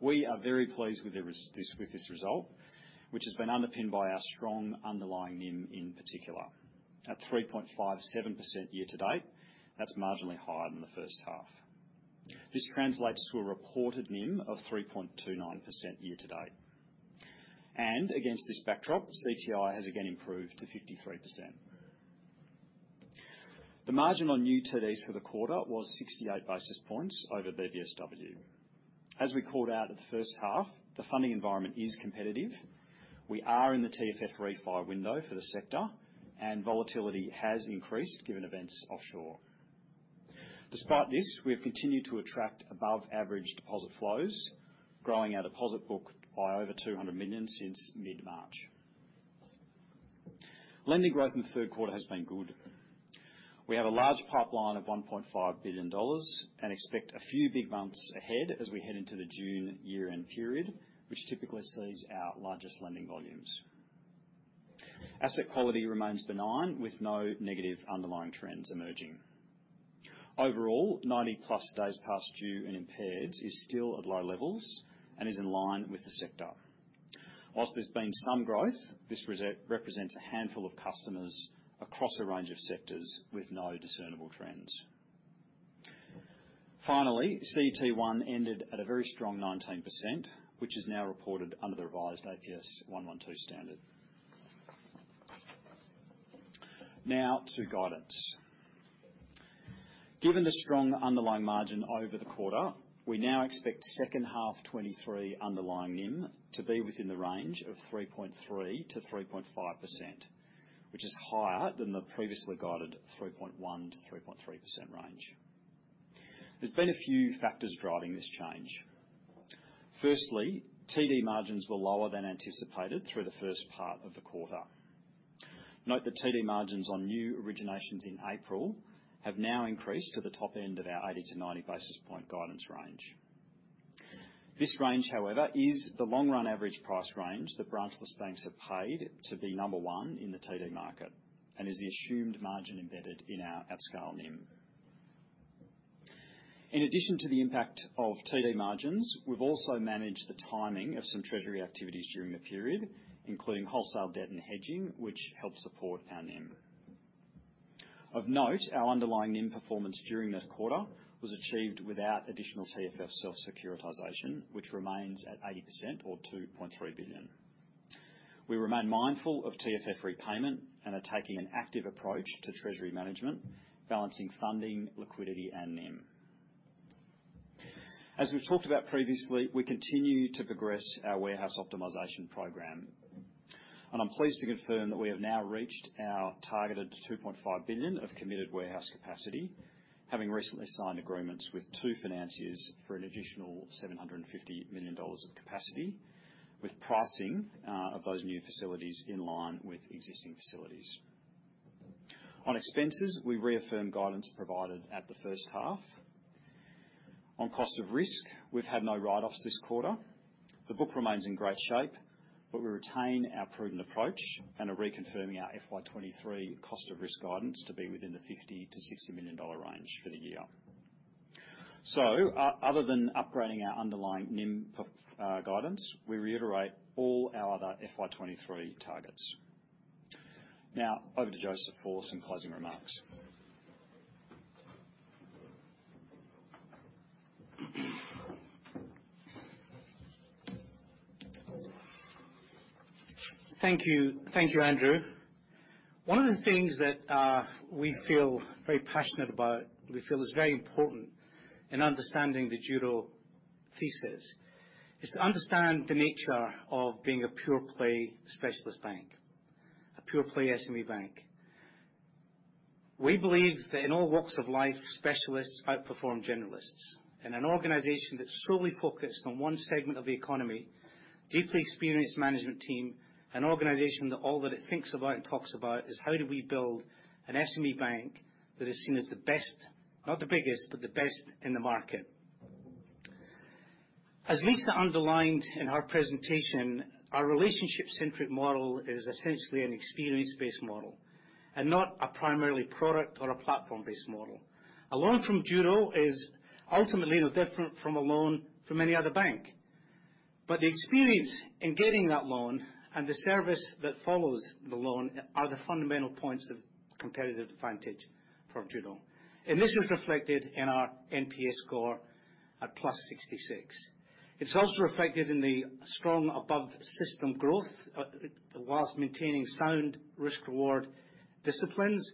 We are very pleased with this result, which has been underpinned by our strong underlying NIM in particular. At 3.57% year-to-date, that's marginally higher than the first half. This translates to a reported NIM of 3.29% year-to-date. Against this backdrop, CTI has again improved to 53%. The margin on new TDs for the quarter was 68 basis points over BBSW. As we called out at the first half, the funding environment is competitive. We are in the TFF refi window for the sector, and volatility has increased given events offshore. Despite this, we have continued to attract above-average deposit flows, growing our deposit book by over 200 million since mid-March. Lending growth in the third quarter has been good. We have a large pipeline of 1.5 billion dollars and expect a few big months ahead as we head into the June year-end period, which typically sees our largest lending volumes. Asset quality remains benign, with no negative underlying trends emerging. Overall, 90+ days past due and impaired is still at low levels and is in line with the sector. Whilst there's been some growth, this reset represents a handful of customers across a range of sectors with no discernible trends. Finally, CET1 ended at a very strong 19%, which is now reported under the revised APS 112 standard. Now to guidance. Given the strong underlying margin over the quarter, we now expect second half 2023 underlying NIM to be within the range of 3.3%-3.5%, which is higher than the previously guided 3.1%-3.3% range. There's been a few factors driving this change. Firstly, TD margins were lower than anticipated through the first part of the quarter. Note that TD margins on new originations in April have now increased to the top end of our 80 to 90 basis point guidance range. This range, however, is the long-run average price range that branchless banks have paid to be number one in the TD market and is the assumed margin embedded in our at scale NIM. In addition to the impact of TD margins, we've also managed the timing of some treasury activities during the period, including wholesale debt and hedging, which helped support our NIM. Of note, our underlying NIM performance during the quarter was achieved without additional TFF self-securitization, which remains at 80% or 2.3 billion. We remain mindful of TFF repayment and are taking an active approach to treasury management, balancing funding, liquidity, and NIM. As we've talked about previously, we continue to progress our warehouse optimization program. I'm pleased to confirm that we have now reached our targeted $2.5 billion of committed warehouse capacity, having recently signed agreements with two financiers for an additional $750 million of capacity, with pricing of those new facilities in line with existing facilities. On expenses, we reaffirm guidance provided at the first half. On cost of risk, we've had no write-offs this quarter. The book remains in great shape. We retain our prudent approach and are reconfirming our FY 2023 cost of risk guidance to be within the $50 million-$60 million range for the year. Other than upgrading our underlying NIM guidance, we reiterate all our other FY 2023 targets. Over to Joseph for some closing remarks. Thank you. Thank you, Andrew. One of the things that we feel very passionate about, we feel is very important in understanding the Judo thesis, is to understand the nature of being a pure play specialist bank, a pure play SME bank. We believe that in all walks of life, specialists outperform generalists. In an organization that's solely focused on one segment of the economy, deeply experienced management team, an organization that all that it thinks about and talks about is how do we build an SME bank that is seen as the best, not the biggest, but the best in the market. As Lisa underlined in our presentation, our relationship centric model is essentially an experience-based model and not a primarily product or a platform-based model. A loan from Judo is ultimately no different from a loan from any other bank. The experience in getting that loan and the service that follows the loan are the fundamental points of competitive advantage for Judo. This is reflected in our NPS score at +66. It's also reflected in the strong above-system growth, whilst maintaining sound risk/reward disciplines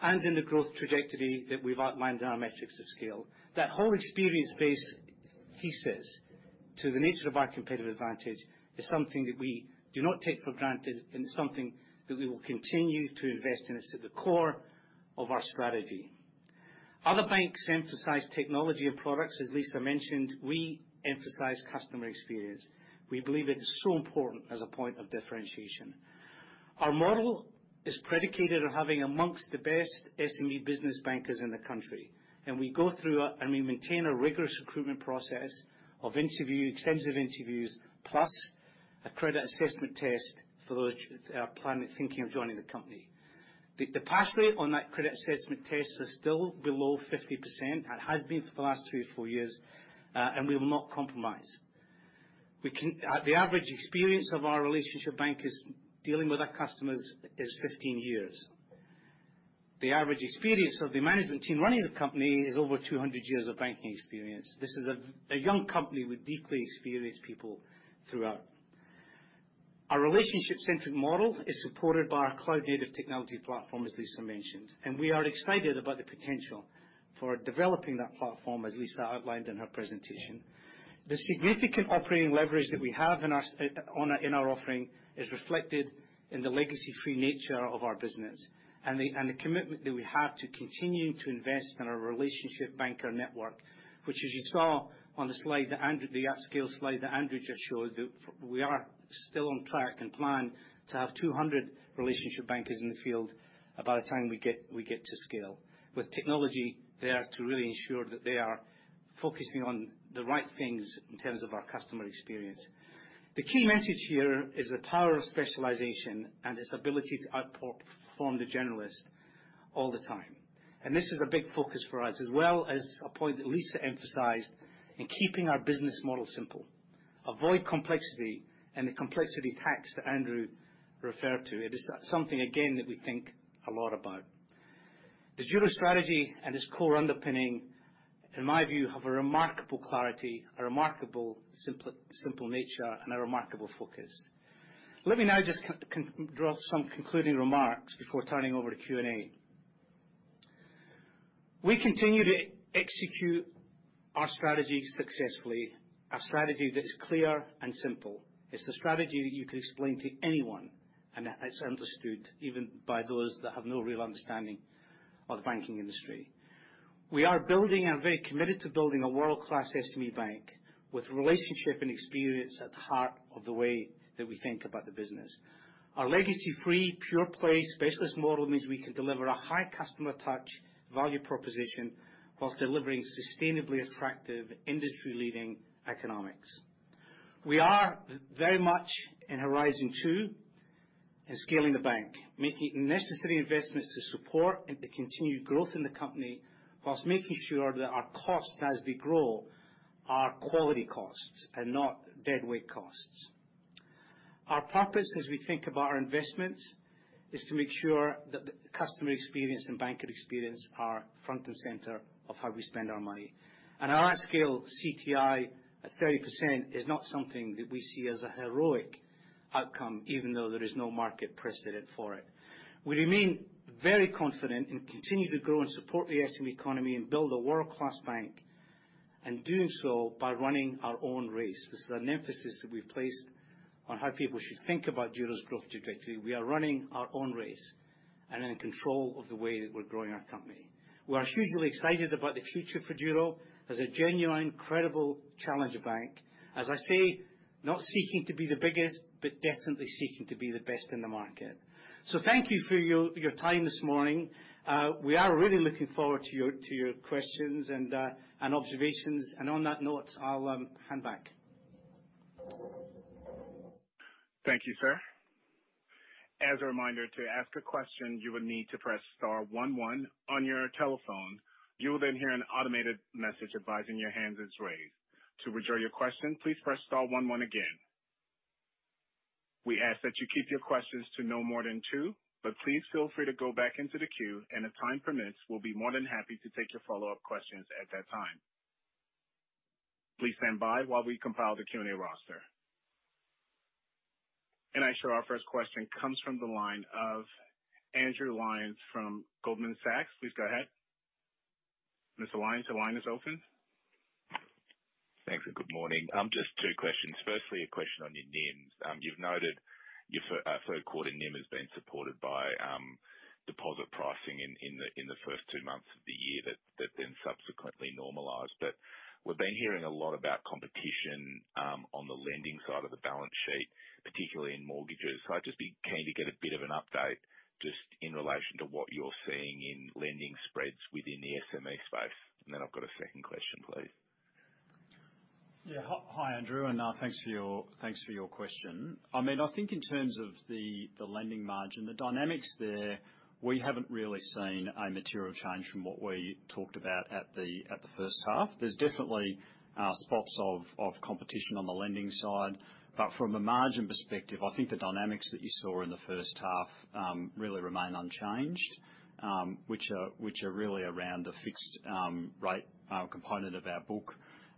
and in the growth trajectory that we've outlined in our metrics of scale. That whole experience-based thesis to the nature of our competitive advantage is something that we do not take for granted and is something that we will continue to invest in. It's at the core of our strategy. Other banks emphasize technology and products. As Lisa mentioned, we emphasize customer experience. We believe it is so important as a point of differentiation. Our model is predicated on having amongst the best SME business bankers in the country. We go through and we maintain a rigorous recruitment process of interview, extensive interviews, plus a credit assessment test for those who are planning, thinking of joining the company. The pass rate on that credit assessment test is still below 50%. That has been for the last three to four years, and we will not compromise. The average experience of our relationship bankers dealing with our customers is 15 years. The average experience of the management team running the company is over 200 years of banking experience. This is a young company with deeply experienced people throughout. Our relationship-centric model is supported by our cloud-native technology platform, as Lisa mentioned. We are excited about the potential for developing that platform, as Lisa outlined in her presentation. The significant operating leverage that we have in our in our offering is reflected in the legacy-free nature of our business and the commitment that we have to continuing to invest in our relationship banker network, which, as you saw on the slide that Andrew the at scale slide that Andrew just showed, we are still on track and plan to have 200 relationship bankers in the field by the time we get to scale. With technology there to really ensure that they are focusing on the right things in terms of our customer experience. The key message here is the power of specialization and its ability to outperform the generalist all the time. This is a big focus for us, as well as a point that Lisa emphasized in keeping our business model simple. Avoid complexity and the complexity tax that Andrew referred to. It is something, again, that we think a lot about. The Judo strategy and its core underpinning, in my view, have a remarkable clarity, a remarkable simple nature, and a remarkable focus. Let me now just draw some concluding remarks before turning over to Q&A. We continue to execute our strategy successfully, a strategy that is clear and simple. It's the strategy you could explain to anyone, and that is understood even by those that have no real understanding of the banking industry. We are building and very committed to building a world-class SME bank with relationship and experience at the heart of the way that we think about the business. Our legacy-free, pure play specialist model means we can deliver a high customer touch value proposition whilst delivering sustainably attractive industry-leading economics. We are very much in horizon two in scaling the bank, making necessary investments to support the continued growth in the company, whilst making sure that our costs, as they grow, are quality costs and not deadweight costs. Our purpose, as we think about our investments, is to make sure that the customer experience and banker experience are front and center of how we spend our money. Our at scale CTI at 30% is not something that we see as a heroic outcome, even though there is no market precedent for it. We remain very confident and continue to grow and support the SME economy and build a world-class bank, and doing so by running our own race. This is an emphasis that we've placed on how people should think about Judo's growth trajectory. We are running our own race and in control of the way that we're growing our company. We are hugely excited about the future for Judo as a genuine, credible challenge bank. As I say, not seeking to be the biggest, but definitely seeking to be the best in the market. Thank you for your time this morning. We are really looking forward to your questions and observations. On that note, I'll hand back. Thank you, sir. As a reminder, to ask a question, you will need to press star one one on your telephone. You will then hear an automated message advising your hand is raised. To withdraw your question, please press star one one again. We ask that you keep your questions to no more than two, but please feel free to go back into the queue, and if time permits, we'll be more than happy to take your follow-up questions at that time. Please stand by while we compile the Q&A roster. I show our first question comes from the line of Andrew Lyons from Goldman Sachs. Please go ahead. Mr. Lyons, the line is open. Thanks, good morning. Just two questions. Firstly, a question on your NIMs. You've noted your 3rd quarter NIM has been supported by deposit pricing in the first two months of the year that then subsequently normalized. We've been hearing a lot about competition on the lending side of the balance sheet, particularly in mortgages. I'd just be keen to get a bit of an update just in relation to what you're seeing in lending spreads within the SME space. Then I've got a 2nd question, please. Yeah. Hi, Andrew, thanks for your question. I mean, I think in terms of the lending margin, the dynamics there, we haven't really seen a material change from what we talked about at the first half. There's definitely spots of competition on the lending side. From a margin perspective, I think the dynamics that you saw in the first half really remain unchanged, which are really around the fixed rate component of our book.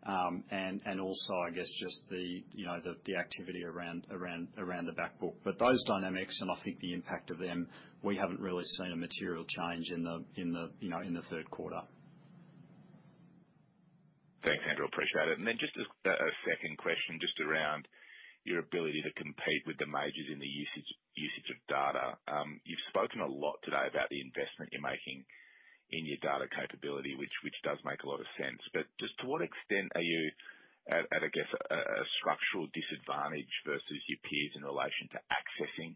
Also, I guess, just the, you know, the activity around the back book. Those dynamics and I think the impact of them, we haven't really seen a material change in the, you know, in the third quarter. Thanks, Andrew. Appreciate it. Then just a second question just around your ability to compete with the majors in the usage of data. You've spoken a lot today about the investment you're making in your data capability, which does make a lot of sense. Just to what extent are you at, I guess, a structural disadvantage versus your peers in relation to accessing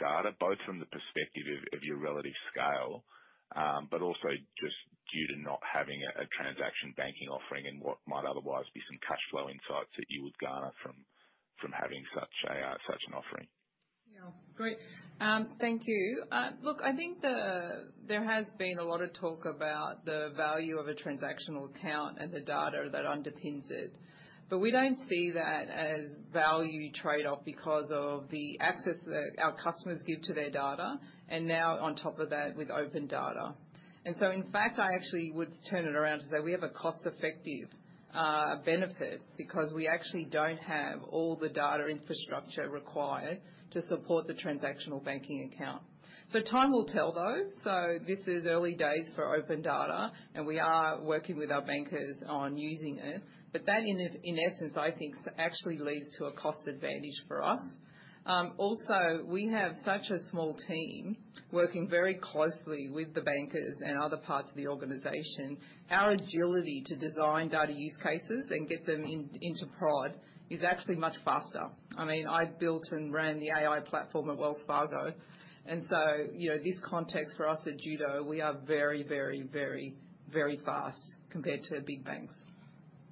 data, both from the perspective of your relative scale, but also just due to not having a transaction banking offering and what might otherwise be some cashflow insights that you would garner from having such an offering? Great. Thank you. Look, I think there has been a lot of talk about the value of a transactional account and the data that underpins it, but we don't see that as value trade-off because of the access that our customers give to their data and now on top of that with open data. In fact, I actually would turn it around to say we have a cost effective benefit because we actually don't have all the data infrastructure required to support the transactional banking account. Time will tell though. This is early days for open data, and we are working with our bankers on using it. That in essence, I think actually leads to a cost advantage for us. Also, we have such a small team working very closely with the bankers and other parts of the organization. Our agility to design data use cases and get them into prod is actually much faster. I mean, I built and ran the AI platform at Wells Fargo, you know, this context for us at Judo, we are very fast compared to big banks.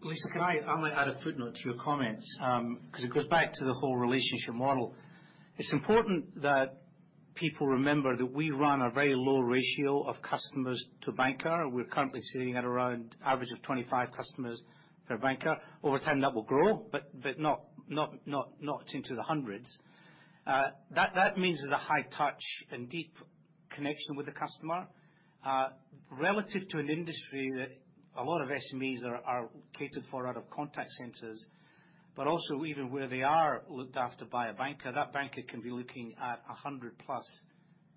Lisa, I'm gonna add a footnote to your comments, 'cause it goes back to the whole relationship model. It's important that people remember that we run a very low ratio of customers to banker. We're currently sitting at around average of 25 customers per banker. Over time, that will grow, not into the hundreds. That means there's a high touch and deep connection with the customer. Relative to an industry that a lot of SMEs are catered for out of contact centers, but also even where they are looked after by a banker, that banker can be looking at 100+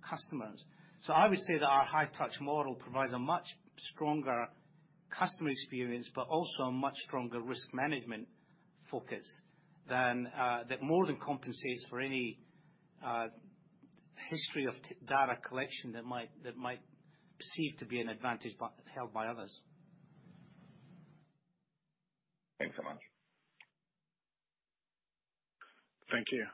customers.I would say that our high touch model provides a much stronger customer experience, but also a much stronger risk management focus than that more than compensates for any history of data collection that might perceive to be an advantage but held by others. Thanks so much. Thank you.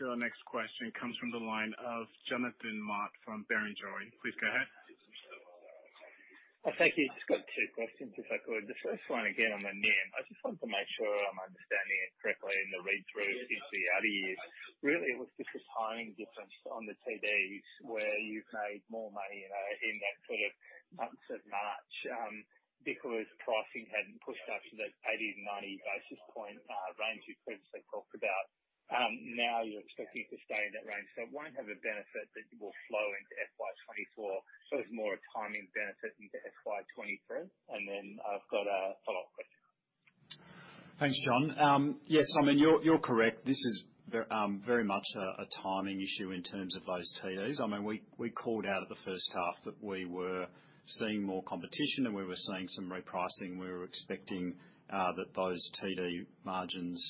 Our next question comes from the line of Jonathan Mott from Barrenjoey. Please go ahead. Thank you. Just got two questions, if I could. The first one again on the NIM. I just want to make sure I'm understanding it correctly in the read through into the outer years. Really, it was just a timing difference on the TDs where you've made more money, in that sort of months of March, because pricing hadn't pushed up to that 80, 90 basis point range you previously talked about. Now you're expecting to stay in that range. It won't have a benefit that will flow into FY 2024. It's more a timing benefit into FY 2023. Then I've got a follow-up question. Thanks, Jon. Yes, I mean, you're correct. This is very much a timing issue in terms of those TDs. I mean, we called out at the first half that we were seeing more competition, and we were seeing some repricing. We were expecting that those TD margins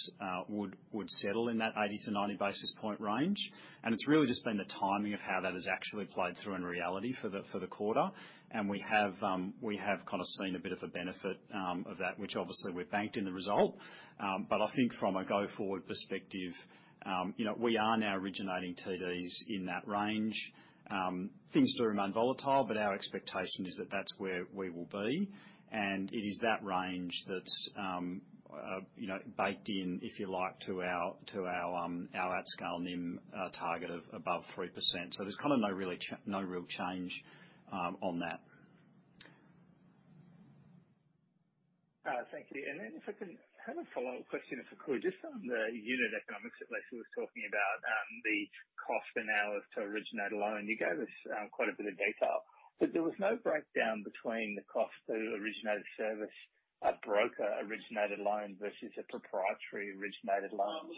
would settle in that 80 to 90 basis point range. It's really just been the timing of how that has actually played through in reality for the quarter. We have kind of seen a bit of a benefit of that, which obviously we've banked in the result. I think from a go-forward perspective, you know, we are now originating TDs in that range. Things do remain volatile, but our expectation is that that's where we will be. It is that range that's, you know, baked in, if you like, to our at scale NIM target of above 3%. There's kind of no really no real change on that. Thank you. If I can have a follow-up question, if I could, just on the unit economics that Lisa was talking about, the cost an hour to originate a loan. You gave us quite a bit of detail, but there was no breakdown between the cost to originate a service, a broker-originated loan versus a proprietary originated loan.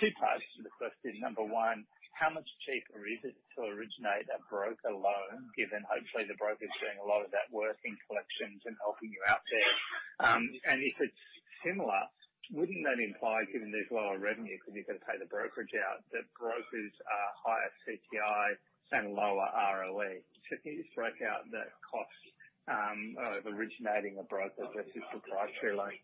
Two parts to the question. Number one, how much cheaper is it to originate a broker loan, given hopefully the broker is doing a lot of that work in collections and helping you out there? If it's similar, wouldn't that imply, given there's lower revenue because you've got to pay the brokerage out, that brokers are higher CTI and lower ROE? Can you break out that cost of originating a broker versus proprietary loan?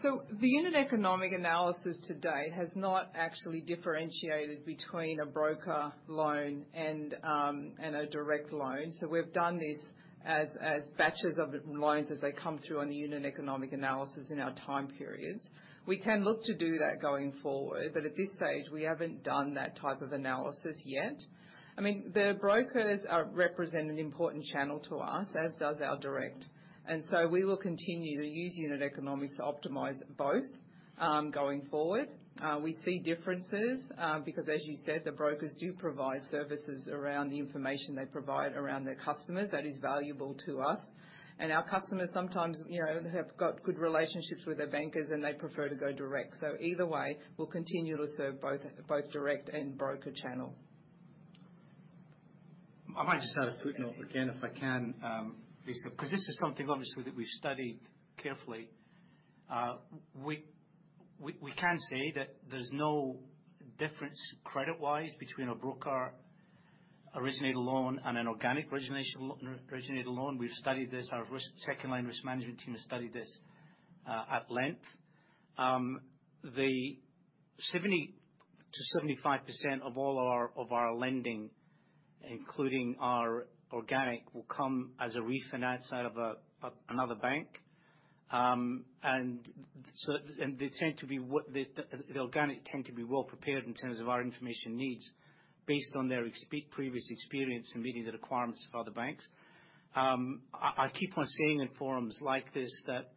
The unit economic analysis to date has not actually differentiated between a broker loan and a direct loan. We've done this as batches of loans as they come through on the unit economic analysis in our time periods. We can look to do that going forward, but at this stage, we haven't done that type of analysis yet. I mean, the brokers represent an important channel to us, as does our direct. We will continue to use unit economics to optimize both going forward. We see differences because as you said, the brokers do provide services around the information they provide around their customers that is valuable to us. Our customers sometimes, you know, have got good relationships with their bankers, and they prefer to go direct. Either way, we'll continue to serve both direct and broker channel. I might just add a footnote again, if I can, Lisa, 'cause this is something obviously that we've studied carefully. We can say that there's no difference credit-wise between a broker originated loan and an organic originated loan. We've studied this. Our risk, second line risk management team has studied this at length. The 70%-75% of all our, of our lending, including our organic, will come as a refi outside of another bank. They tend to be what the organic tend to be well prepared in terms of our information needs based on their previous experience in meeting the requirements of other banks. I keep on saying in forums like this that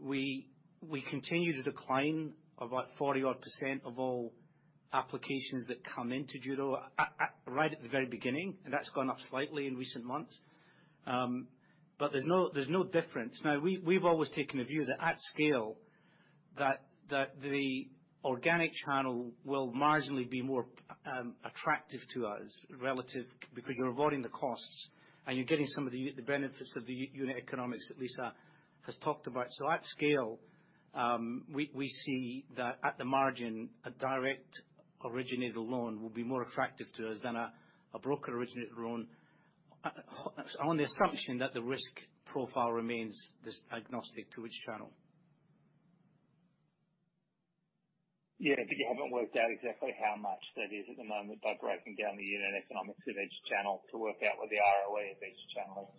we continue to decline about 40%-odd of all applications that come into Judo at right at the very beginning. That's gone up slightly in recent months. There's no difference. We've always taken a view that at scale, that the organic channel will marginally be more attractive to us relative because you're avoiding the costs and you're getting some of the benefits of the unit economics that Lisa has talked about. At scale, we see that at the margin, a direct originated loan will be more attractive to us than a broker originated loan on the assumption that the risk profile remains this agnostic to which channel. Yeah, you haven't worked out exactly how much that is at the moment by breaking down the unit economics of each channel to work out what the ROA of each channel is.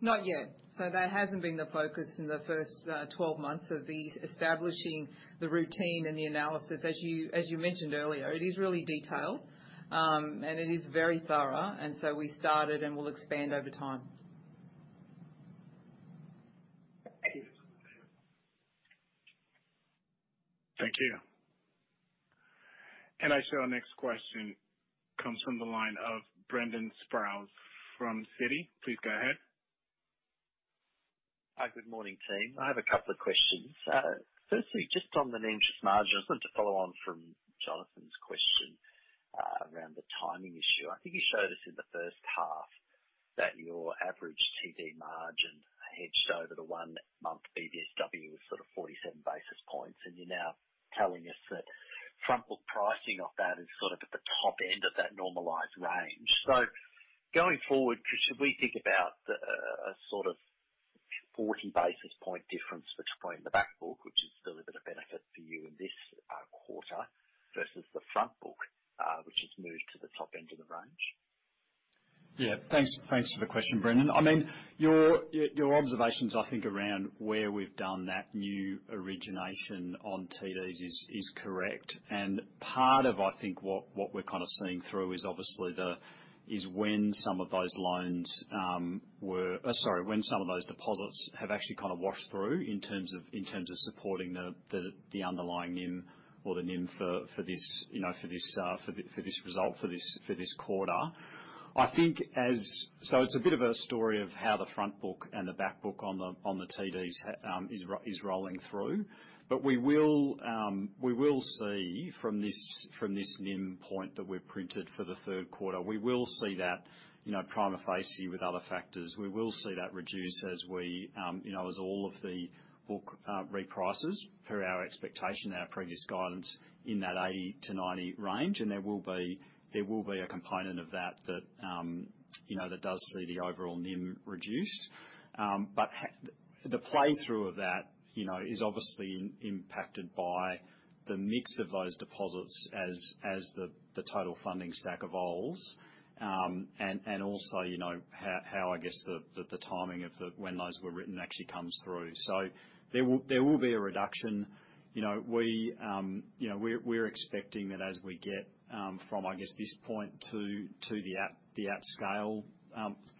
Not yet. That hasn't been the focus in the first, 12 months of the establishing the routine and the analysis. As you mentioned earlier, it is really detailed, and it is very thorough. We started and will expand over time. Thank you. Thank you. I see our next question comes from the line of Brendan Sproules from Citi. Please go ahead. Hi, good morning, team. I have a couple of questions. Firstly, just on the name, just margin, I want to follow on from Jonathan's question, around the timing issue. I think you showed us in the first half that your average TD margin hedged over the one-month BBSW was sort of 47 basis points, and you're now telling us that front book pricing of that is sort of at the top end of that normalized range. Going forward, should we think about a sort of 40 basis point difference between the back book, which is still a bit of benefit for you in this quarter, versus the front book, which has moved to the top end of the range? Yeah. Thanks for the question, Brendan. I mean, your observations, I think around where we've done that new origination on TDs is correct. Part of, I think, what we're kind of seeing through is obviously the, is when some of those deposits have actually kind of washed through in terms of supporting the underlying NIM or the NIM for this, you know, for this result, for this quarter. It's a bit of a story of how the front book and the back book on the, on the TDs is rolling through. We will see from this NIM point that we've printed for the third quarter, we will see that, you know, prima facie with other factors. We will see that reduce as we, you know, as all of the book reprices per our expectation, our previous guidance in that 80%-90% range. There will be a component of that, you know, that does see the overall NIM reduce. The play through of that, you know, is obviously impacted by the mix of those deposits as the total funding stack evolves. Also, you know, how I guess the timing of when those were written actually comes through. There will be a reduction. You know, we, you know, we're expecting that as we get from, I guess, this point to the at scale,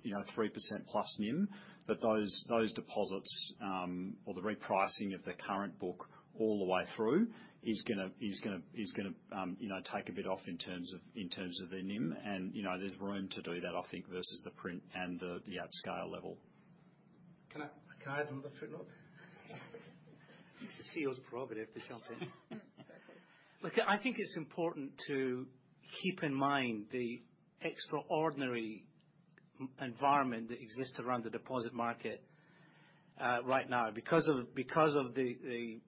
you know, 3% plus NIM, that those deposits, or the repricing of the current book all the way through is gonna, you know, take a bit off in terms of, in terms of the NIM. You know, there's room to do that, I think, versus the print and the at scale level. Can I add another footnote? Sure. He was provocative to jump in. Look, I think it's important to keep in mind the extraordinary environment that exists around the deposit market right now. Because of the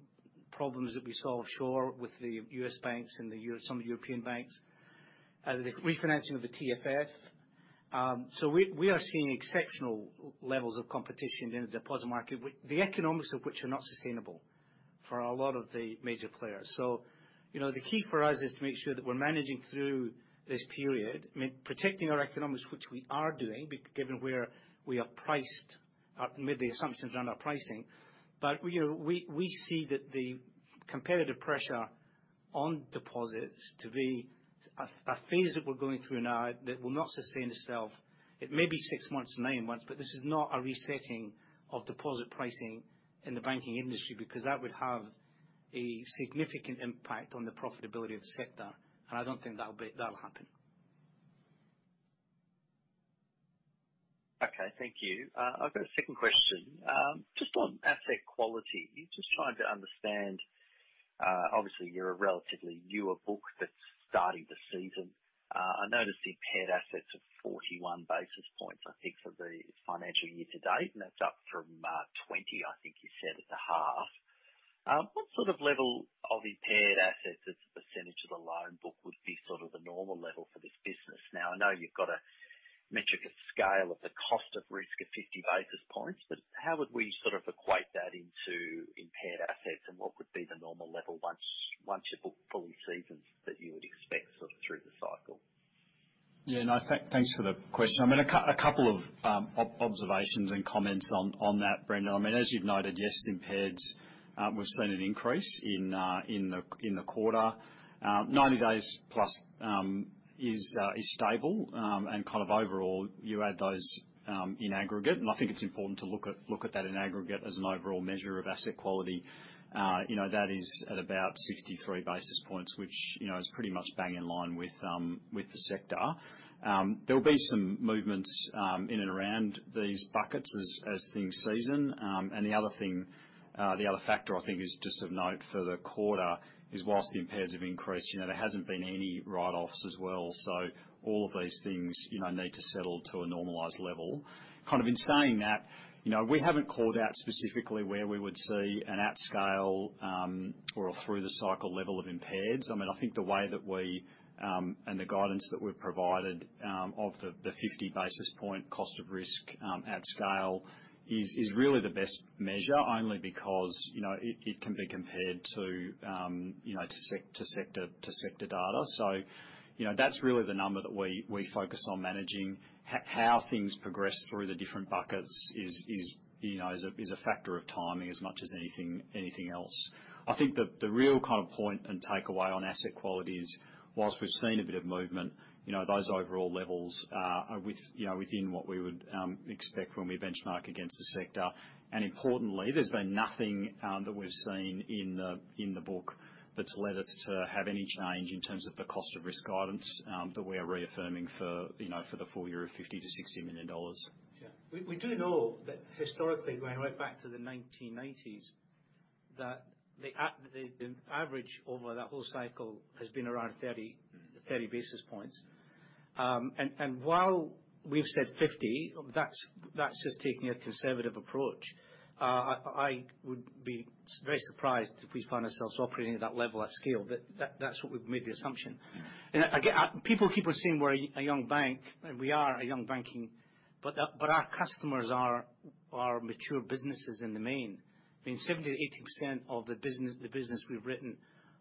problems that we saw offshore with the U.S. banks and some of the European banks, the refinancing of the TFF. We are seeing exceptional levels of competition in the deposit market, the economics of which are not sustainable for a lot of the major players. You know, the key for us is to make sure that we're managing through this period, I mean, protecting our economics, which we are doing, given where we are priced, made the assumptions around our pricing. You know, we see that the competitive pressure on deposits to be a phase that we're going through now that will not sustain itself. It may be six months, nine months, but this is not a resetting of deposit pricing in the banking industry, because that would have a significant impact on the profitability of the sector, and I don't think that'll happen. Okay. Thank you. I've got a second question. Just on asset quality. Just trying to understand, obviously you're a relatively newer book that's starting the season. I noticed the impaired assets of 41 basis points, I think, for the financial year-to-date, and that's up from 20, I think you said at the half. What sort of level of impaired assets as a percentage of the loan book would be sort of the normal level for this business? Now, I know you've got a metric of scale of the cost of risk of 50 basis points, but how would we sort of equate that into impaired assets? What would be the normal level once your book fully seasons that you would expect sort of through the cycle? Yeah, no, thanks for the question. I mean, a couple of observations and comments on that, Brendan. I mean, as you've noted, yes, impaired's, we've seen an increase in the quarter. 90 days-plus is stable. Kind of overall, you add those in aggregate, and I think it's important to look at that in aggregate as an overall measure of asset quality. You know, that is at about 63 basis points, which, you know, is pretty much bang in line with the sector. There will be some movements in and around these buckets as things season. The other thing, the other factor I think is just of note for the quarter is whilst the impaireds have increased, you know, there hasn't been any write-offs as well. All of these things, you know, need to settle to a normalized level. Kind of in saying that, you know, we haven't called out specifically where we would see an at scale, or a through the cycle level of impaireds. I mean, I think the way that we, and the guidance that we've provided, of the 50 basis point cost of risk, at scale is really the best measure only because, you know, it can be compared to, you know, to sector data. That's really the number that we focus on managing. How things progress through the different buckets is, you know, is a factor of timing as much as anything else. I think the real kind of point and takeaway on asset quality is, whilst we've seen a bit of movement, you know, those overall levels are with, you know, within what we would expect when we benchmark against the sector. Importantly, there's been nothing that we've seen in the book that's led us to have any change in terms of the cost of risk guidance that we are reaffirming for, you know, for the full-year of 50 million-60 million dollars. Yeah. We do know that historically, going right back to the 1990s, that the average over that whole cycle has been around 30 basis points. While we've said 50, that's just taking a conservative approach. I would be very surprised if we find ourselves operating at that level at scale, but that's what we've made the assumption. Mm-hmm. Again, people keep on saying we're a young bank, and we are a young bank, but our customers are mature businesses in the main. I mean, 70%-80% of the business we've written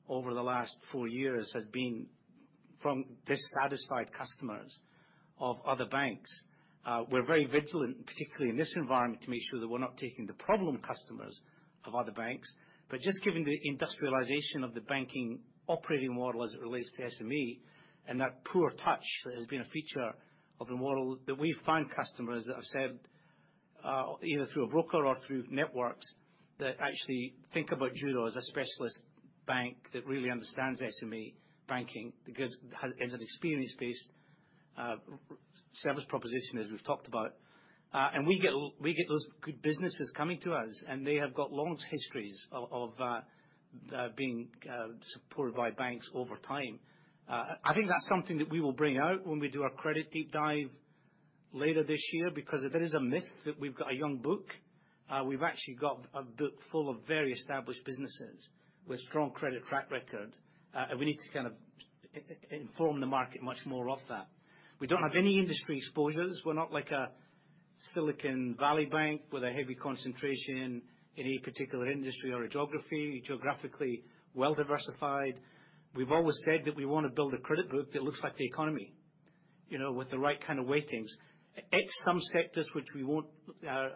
over the last 4 years has been from dissatisfied customers of other banks. We're very vigilant, particularly in this environment, to make sure that we're not taking the problem customers of other banks. Just given the industrialization of the banking operating model as it relates to SME and that poor touch that has been a feature of the model, that we find customers that have said, either through a broker or through networks, that actually think about Judo as a specialist bank that really understands SME banking because has, as an experience-based service proposition, as we've talked about. We get those good businesses coming to us, and they have got long histories of being supported by banks over time. I think that's something that we will bring out when we do our credit deep dive later this year. If there is a myth that we've got a young book, we've actually got a book full of very established businesses with strong credit track record. We need to kind of inform the market much more of that. We don't have any industry exposures. We're not like a Silicon Valley Bank with a heavy concentration in any particular industry or a geography. Geographically well-diversified. We've always said that we want to build a credit book that looks like the economy, you know, with the right kind of weightings. Some sectors which we won't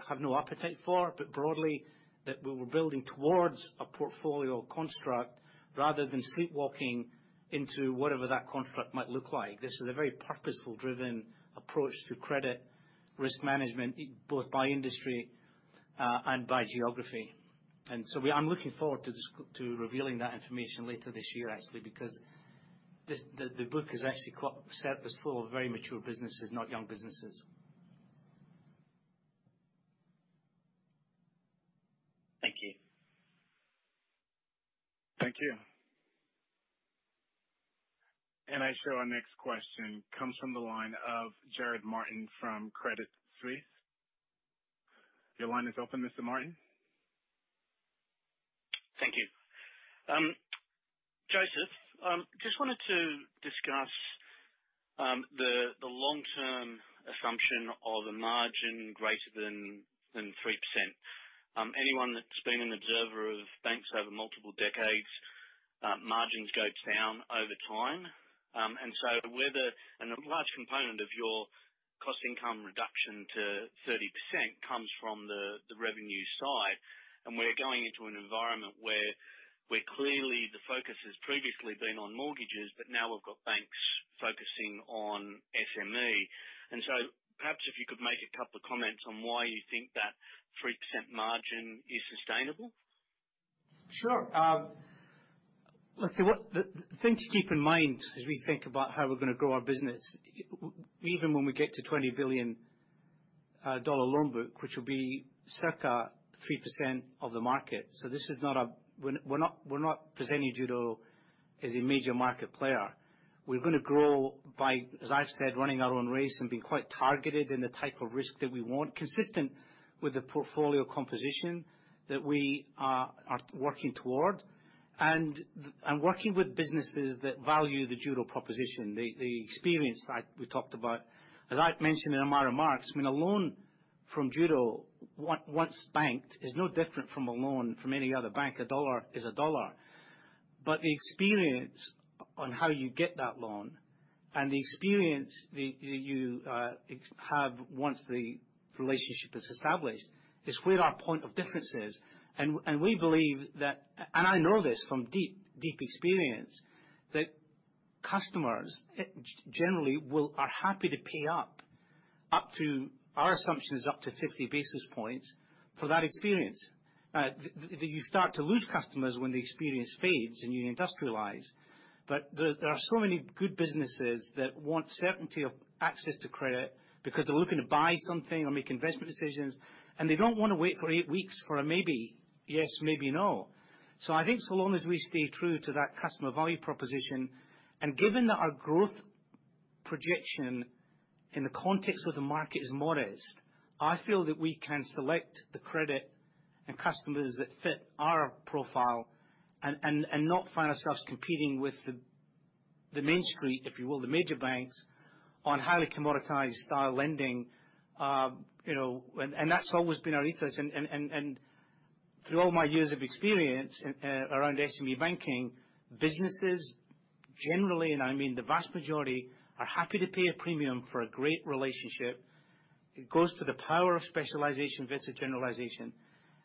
have no appetite for, but broadly that we were building towards a portfolio construct rather than sleepwalking into whatever that construct might look like. This is a very purposeful, driven approach through credit risk management, both by industry and by geography. I'm looking forward to this, to revealing that information later this year, actually, because this, the book is actually quite surface full of very mature businesses, not young businesses. Thank you. Thank you. Our next question comes from the line of Jarrod Martin from Credit Suisse. Your line is open, Mr. Martin. Thank you. Joseph, just wanted to discuss the long-term assumption of a margin greater than 3%. Anyone that's been an observer of banks over multiple decades, margins go down over time. Whether, and a large component of your cost income reduction to 30% comes from the revenue side. We're going into an environment where clearly the focus has previously been on mortgages, but now we've got banks focusing on SME. Perhaps if you could make a couple of comments on why you think that 3% margin is sustainable. Sure. The thing to keep in mind as we think about how we're gonna grow our business, even when we get to 20 billion dollar loan book, which will be circa 3% of the market. This is not a. We're not presenting Judo as a major market player. We're gonna grow by, as I've said, running our own race and being quite targeted in the type of risk that we want, consistent with the portfolio composition that we are working toward. Working with businesses that value the Judo proposition. The experience that we talked about. As I've mentioned in my remarks, I mean, a loan from Judo once banked, is no different from a loan from any other bank. A dollar is a dollar. The experience on how you get that loan and the experience that you have once the relationship is established, is where our point of difference is. We believe that, and I know this from deep, deep experience, that customers, generally are happy to pay up to, our assumption is up to 50 basis points for that experience. That you start to lose customers when the experience fades and you industrialize. There are so many good businesses that want certainty of access to credit because they're looking to buy something or make investment decisions, and they don't wanna wait for eight weeks for a maybe yes, maybe no. I think so long as we stay true to that customer value proposition, and given that our growth projection in the context of the market is modest, I feel that we can select the credit and customers that fit our profile and not find ourselves competing with the Main Street, if you will, the major banks on highly commoditized style lending. you know, and that's always been our ethos and through all my years of experience around SME banking, businesses generally, and I mean the vast majority, are happy to pay a premium for a great relationship. It goes to the power of specialization versus generalization.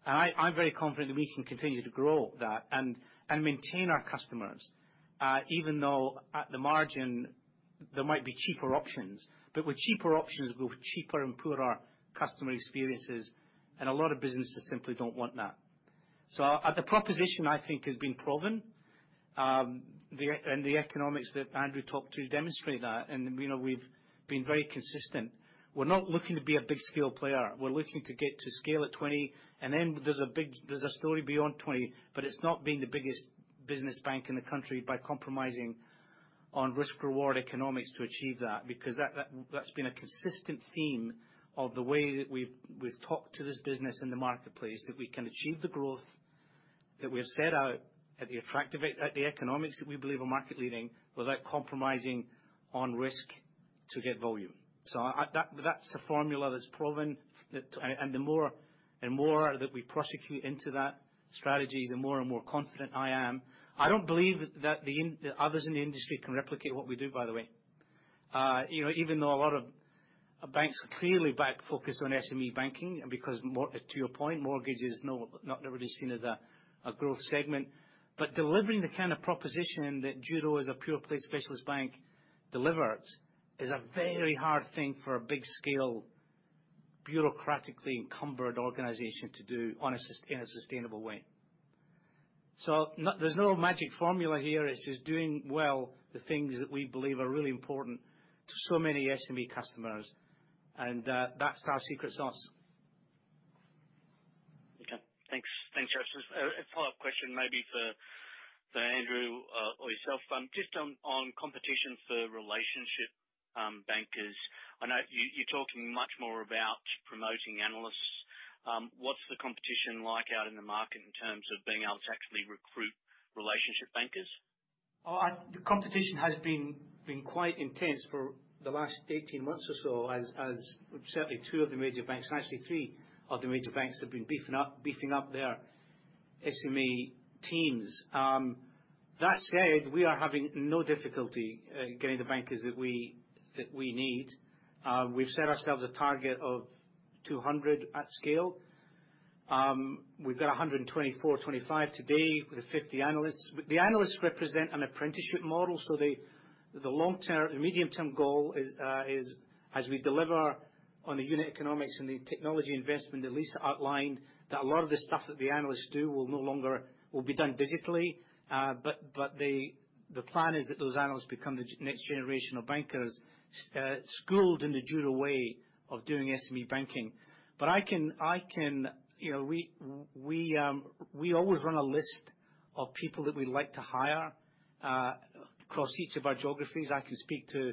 I'm very confident that we can continue to grow that and maintain our customers, even though at the margin there might be cheaper options. With cheaper options go cheaper and poorer customer experiences, and a lot of businesses simply don't want that. At the proposition, I think has been proven. The economics that Andrew talked to demonstrate that, and, you know, we've been very consistent. We're not looking to be a big scale player. We're looking to get to scale at 20, and then there's a story beyond 20, but it's not being the biggest business bank in the country by compromising on risk/reward economics to achieve that. That, that's been a consistent theme of the way that we've talked to this business in the marketplace, that we can achieve the growth that we have set out at the economics that we believe are market leading without compromising on risk to get volume. At that's a formula that's proven. The more and more that we prosecute into that strategy, the more and more confident I am. I don't believe that others in the industry can replicate what we do, by the way. You know, even though a lot of banks are clearly back focused on SME banking, because to your point, mortgage is no, not really seen as a growth segment. Delivering the kind of proposition that Judo as a pure play specialist bank delivers is a very hard thing for a big scale, bureaucratically encumbered organization to do in a sustainable way. There's no magic formula here. It's just doing well, the things that we believe are really important to so many SME customers, and that's our secret sauce. Okay, thanks. Thanks, Joseph. A follow-up question maybe for Andrew or yourself. Just on competition for relationship bankers. I know you're talking much more about promoting analysts. What's the competition like out in the market in terms of being able to actually recruit relationship bankers? The competition has been quite intense for the last 18 months or so, as certainly two of the major banks, and actually three of the major banks, have been beefing up their SME teams. That said, we are having no difficulty getting the bankers that we need. We've set ourselves a target of 200 at scale. We've got 124, 25 today, with 50 analysts. The analysts represent an apprenticeship model, so they. The long term, the medium term goal is as we deliver on the unit economics and the technology investment that Lisa outlined, that a lot of the stuff that the analysts do will no longer be done digitally. The plan is that those analysts become the next generation of bankers, schooled in the Judo way of doing SME banking. I can. You know, we always run a list of people that we'd like to hire across each of our geographies. I can speak to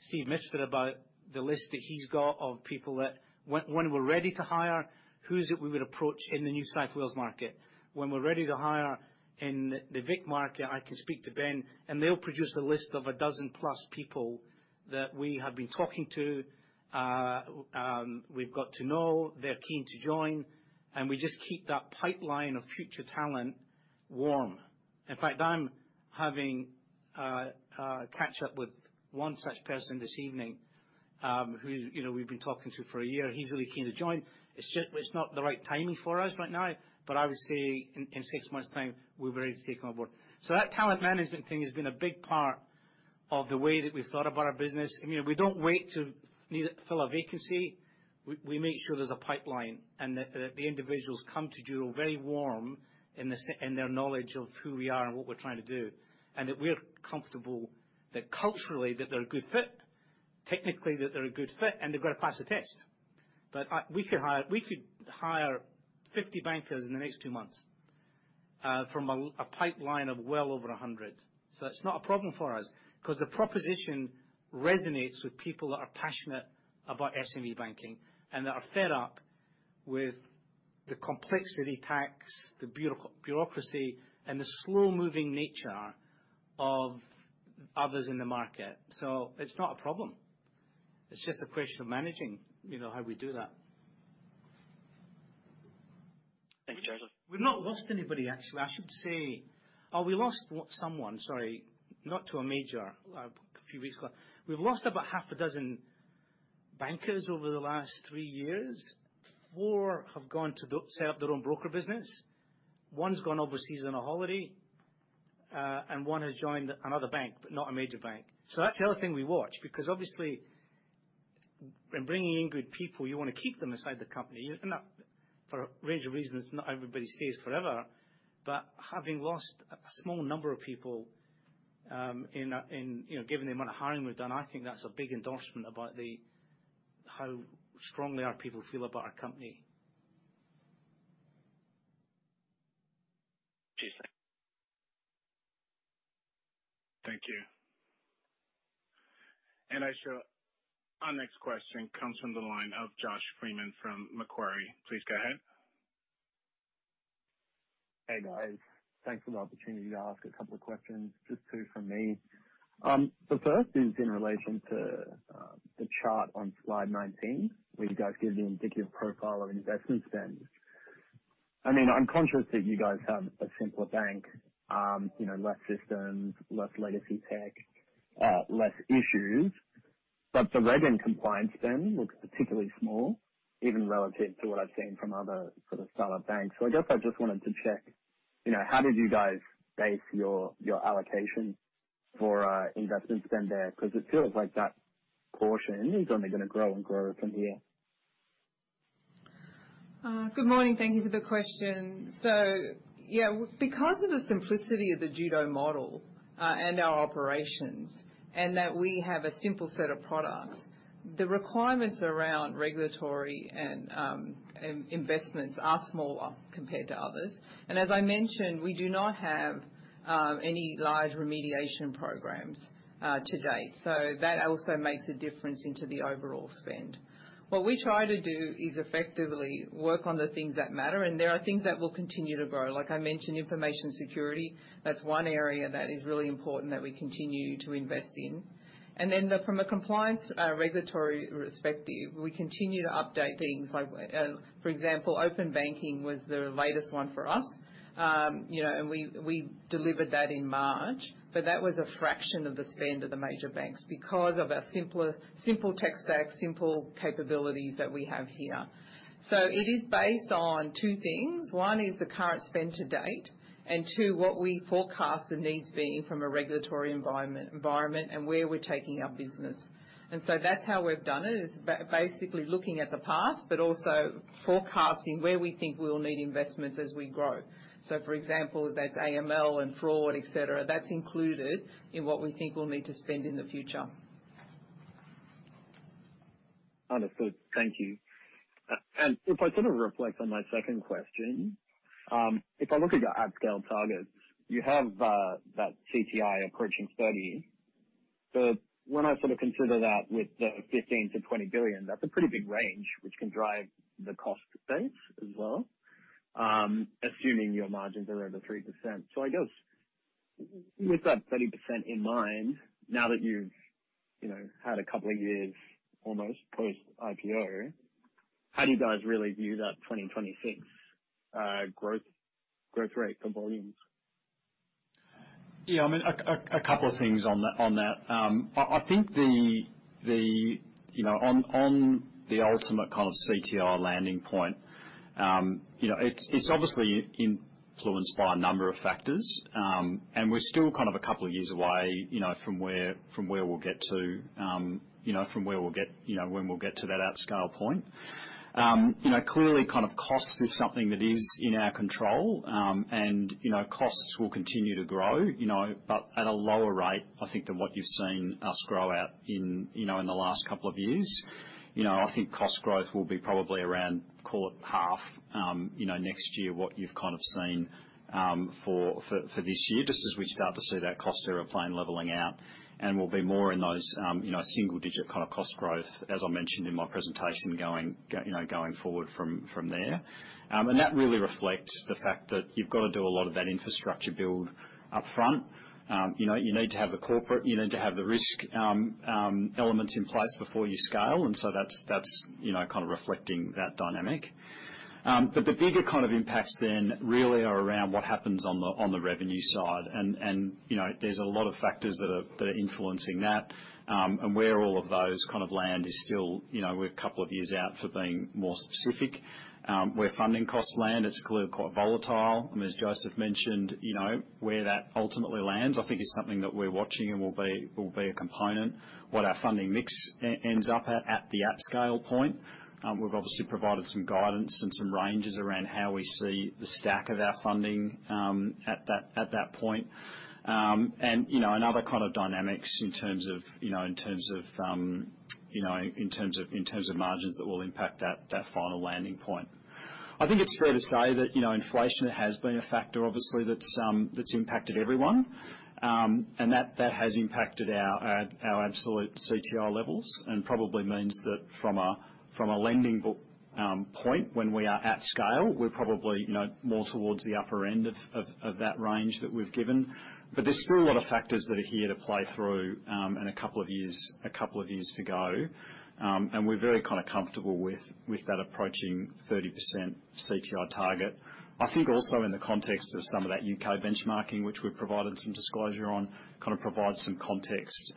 Steve about the list that he's got of people that when we're ready to hire, who is it we would approach in the New South Wales market? When we're ready to hire in the Vic market, I can speak to Ben, and they'll produce a list of a dozen plus people that we have been talking to, we've got to know, they're keen to join, and we just keep that pipeline of future talent warm. In fact, I'm having a catch up with one such person this evening, who's, you know, we've been talking to for a year, and he's really keen to join. It's just, it's not the right timing for us right now. I would say in six months time, we'll be ready to take him aboard. That talent management thing has been a big part of the way that we've thought about our business. You know, we don't wait to need to fill a vacancy. We make sure there's a pipeline and that the individuals come to Judo very warm in their knowledge of who we are and what we're trying to do, and that we're comfortable that culturally that they're a good fit, technically that they're a good fit, and they've got to pass a test. We could hire 50 bankers in the next two months. From a pipeline of well over 100. It's not a problem for us because the proposition resonates with people that are passionate about SME banking and that are fed up with the complexity tax, the bureaucracy, and the slow-moving nature of others in the market. It's not a problem. It's just a question of managing, you know, how we do that. Thanks, Joseph. We've not lost anybody, actually. I should say. Oh, we lost someone. Sorry. Not to a major, a few weeks ago. We've lost about half a dozen bankers over the last three years. Four have gone to set up their own broker business. One's gone overseas on a holiday, and one has joined another bank, but not a major bank. That's the other thing we watch, because obviously when bringing in good people, you wanna keep them inside the company. That, for a range of reasons, not everybody stays forever. Having lost a small number of people, in a, in, you know, given the amount of hiring we've done, I think that's a big endorsement about the, how strongly our people feel about our company. Cheers. Thank you. Our next question comes from the line of Josh Freiman from Macquarie. Please go ahead. Hey, guys. Thanks for the opportunity to ask a couple of questions. Just two from me. The first is in relation to the chart on slide 19, where you guys give the indicative profile of investment spend. I mean, I'm conscious that you guys have a simpler bank, you know, less systems, less legacy tech, less issues. The reg and compliance spend looks particularly small, even relative to what I've seen from other sort of style of banks. I guess I just wanted to check, you know, how did you guys base your allocation for investment spend there? Because it feels like that portion is only gonna grow and grow from here. Good morning. Thank you for the question. Yeah, because of the simplicity of the Judo model, and our operations, and that we have a simple set of products, the requirements around regulatory and investments are smaller compared to others. As I mentioned, we do not have any large remediation programs to date. That also makes a difference into the overall spend. What we try to do is effectively work on the things that matter, and there are things that will continue to grow. Like I mentioned, information security, that's one area that is really important that we continue to invest in. Then, from a compliance regulatory perspective, we continue to update things like, for example, open banking was the latest one for us. You know, we delivered that in March, but that was a fraction of the spend of the major banks because of our simpler, simple tech stack, simple capabilities that we have here. It is based on two things. One is the current spend to date, and two, what we forecast the needs being from a regulatory environment and where we're taking our business. That's how we've done it, is basically looking at the past, but also forecasting where we think we'll need investments as we grow. For example, that's AML and fraud, et cetera. That's included in what we think we'll need to spend in the future. Understood. Thank you. If I sort of reflect on my second question, if I look at your at scale targets, you have that CTI approaching 30. When I sort of consider that with the 15 billion-20 billion, that's a pretty big range, which can drive the cost base as well, assuming your margins are over 3%. I guess with that 30% in mind, now that you've, you know, had a couple of years almost post IPO, how do you guys really view that 2026 growth rate for volumes? Yeah, I mean, a couple of things on that. I think the, you know, on the ultimate kind of CTR landing point, you know, it's obviously influenced by a number of factors. We're still kind of a couple of years away, you know, from where we'll get to, you know, from where we'll get, you know, when we'll get to that at scale point. You know, clearly kind of cost is something that is in our control. You know, costs will continue to grow, you know, but at a lower rate, I think, than what you've seen us grow at in, you know, in the last couple of years. You know, I think cost growth will be probably around, call it half, you know, next year what you've kind of seen, for this year, just as we start to see that cost airplane leveling out. We'll be more in those, you know, single digit kind of cost growth, as I mentioned in my presentation, going, you know, going forward from there. That really reflects the fact that you've got to do a lot of that infrastructure build up front. You know, you need to have the corporate, you need to have the risk, elements in place before you scale. So that's, you know, kind of reflecting that dynamic. The bigger kind of impacts then really are around what happens on the revenue side. You know, there's a lot of factors that are influencing that. Where all of those kind of land is still, you know, we're a couple of years out for being more specific. Where funding costs land, it's clearly quite volatile. As Joseph mentioned, you know, where that ultimately lands, I think is something that we're watching and will be a component. What our funding mix ends up at the scale point. We've obviously provided some guidance and some ranges around how we see the stack of our funding, at that point. You know, and other kind of dynamics in terms of margins that will impact that final landing point. I think it's fair to say that, you know, inflation has been a factor, obviously, that's impacted everyone. That has impacted our absolute CTR levels and probably means that from a lending book point, when we are at scale, we're probably, you know, more towards the upper end of that range that we've given. There's still a lot of factors that are here to play through, and a couple of years to go. We're very kind of comfortable with that approaching 30% CTR target. I think also in the context of some of that U.K. benchmarking, which we've provided some disclosure on, kind of provides some context,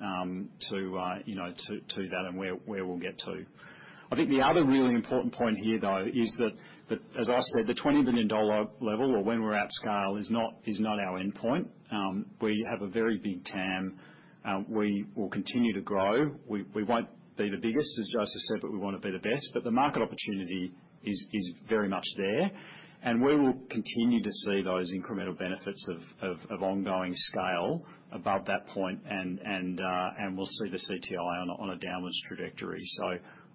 you know, to that and where we'll get to. I think the other really important point here, though, is that, as I said, the 20 billion dollar level or when we're at scale is not our endpoint. We have a very big TAM. We will continue to grow. We won't be the biggest, as Joseph said, but we wanna be the best. The market opportunity is very much there, and we will continue to see those incremental benefits of ongoing scale above that point and we'll see the CTI on a downwards trajectory.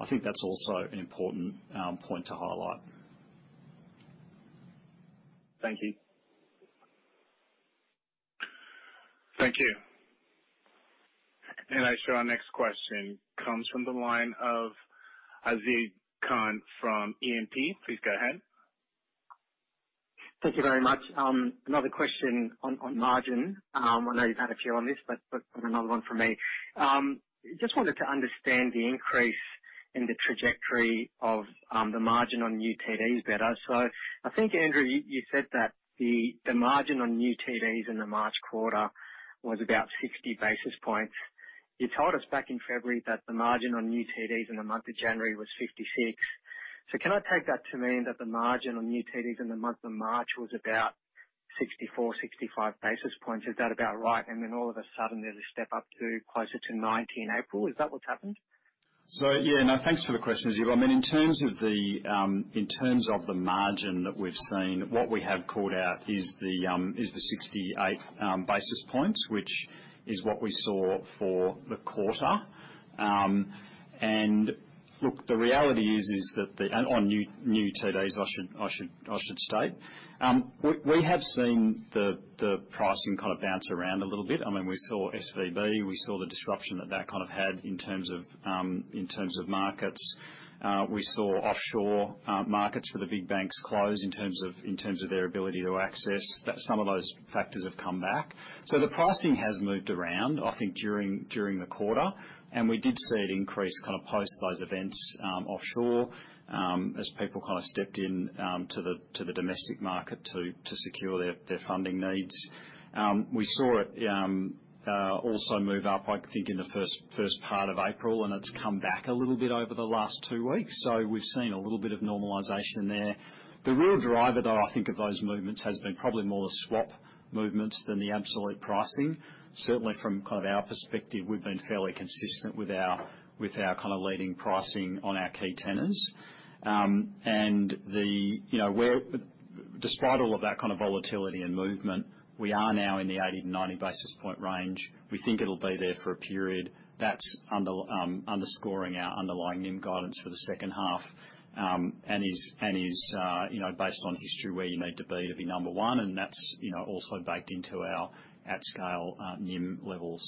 I think that's also an important point to highlight. Thank you. Thank you. Our next question comes from the line of Azib Khan from E&P. Please go ahead. Thank you very much. Another question on margin. I know you've had a few on this, but another one from me. Just wanted to understand the increase in the trajectory of the margin on new TDs better. I think, Andrew, you said that the margin on new TDs in the March quarter was about 60 basis points. You told us back in February that the margin on new TDs in the month of January was 56. Can I take that to mean that the margin on new TDs in the month of March was about 64, 65 basis points? Is that about right? Then all of a sudden there's a step up to closer to 90 in April. Is that what's happened? Yeah, no, thanks for the question, Azib. I mean, in terms of the, in terms of the margin that we've seen, what we have called out is the, is the 68 basis points, which is what we saw for the quarter. Look, the reality is that. On new TDs, I should state. We have seen the pricing kind of bounce around a little bit. I mean, we saw SVB, we saw the disruption that kind of had in terms of, in terms of markets. We saw offshore, markets for the big banks close in terms of, in terms of their ability to access. That, some of those factors have come back. The pricing has moved around, I think, during the quarter. We did see it increase kind of post those events offshore, as people kind of stepped in to the domestic market to secure their funding needs. We saw it also move up, I think, in the first part of April, and it's come back a little bit over the last two weeks. We've seen a little bit of normalization there. The real driver, though, I think, of those movements has been probably more the swap movements than the absolute pricing. Certainly from kind of our perspective, we've been fairly consistent with our kind of leading pricing on our key tenors. You know, where Despite all of that kind of volatility and movement, we are now in the 80-90 basis point range. We think it'll be there for a period. That's underscoring our underlying NIM guidance for the second half, and is, you know, based on history, where you need to be to be number one, and that's, you know, also baked into our at scale, NIM level.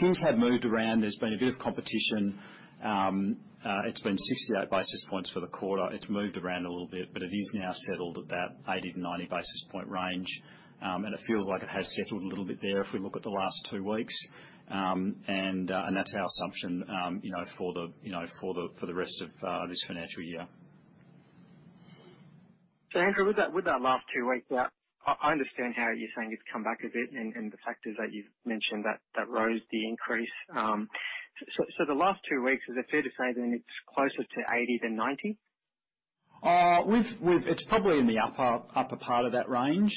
Things have moved around. There's been a bit of competition. It's been 68 basis points for the quarter. It's moved around a little bit, but it is now settled at that 80-90 basis point range, and it feels like it has settled a little bit there if we look at the last two weeks. That's our assumption, you know, for the rest of this financial year. Andrew, with that last two weeks, yeah, I understand how you're saying it's come back a bit and the factors that you've mentioned that rose the increase. The last two weeks, is it fair to say then it's closer to 80 than 90? It's probably in the upper part of that range.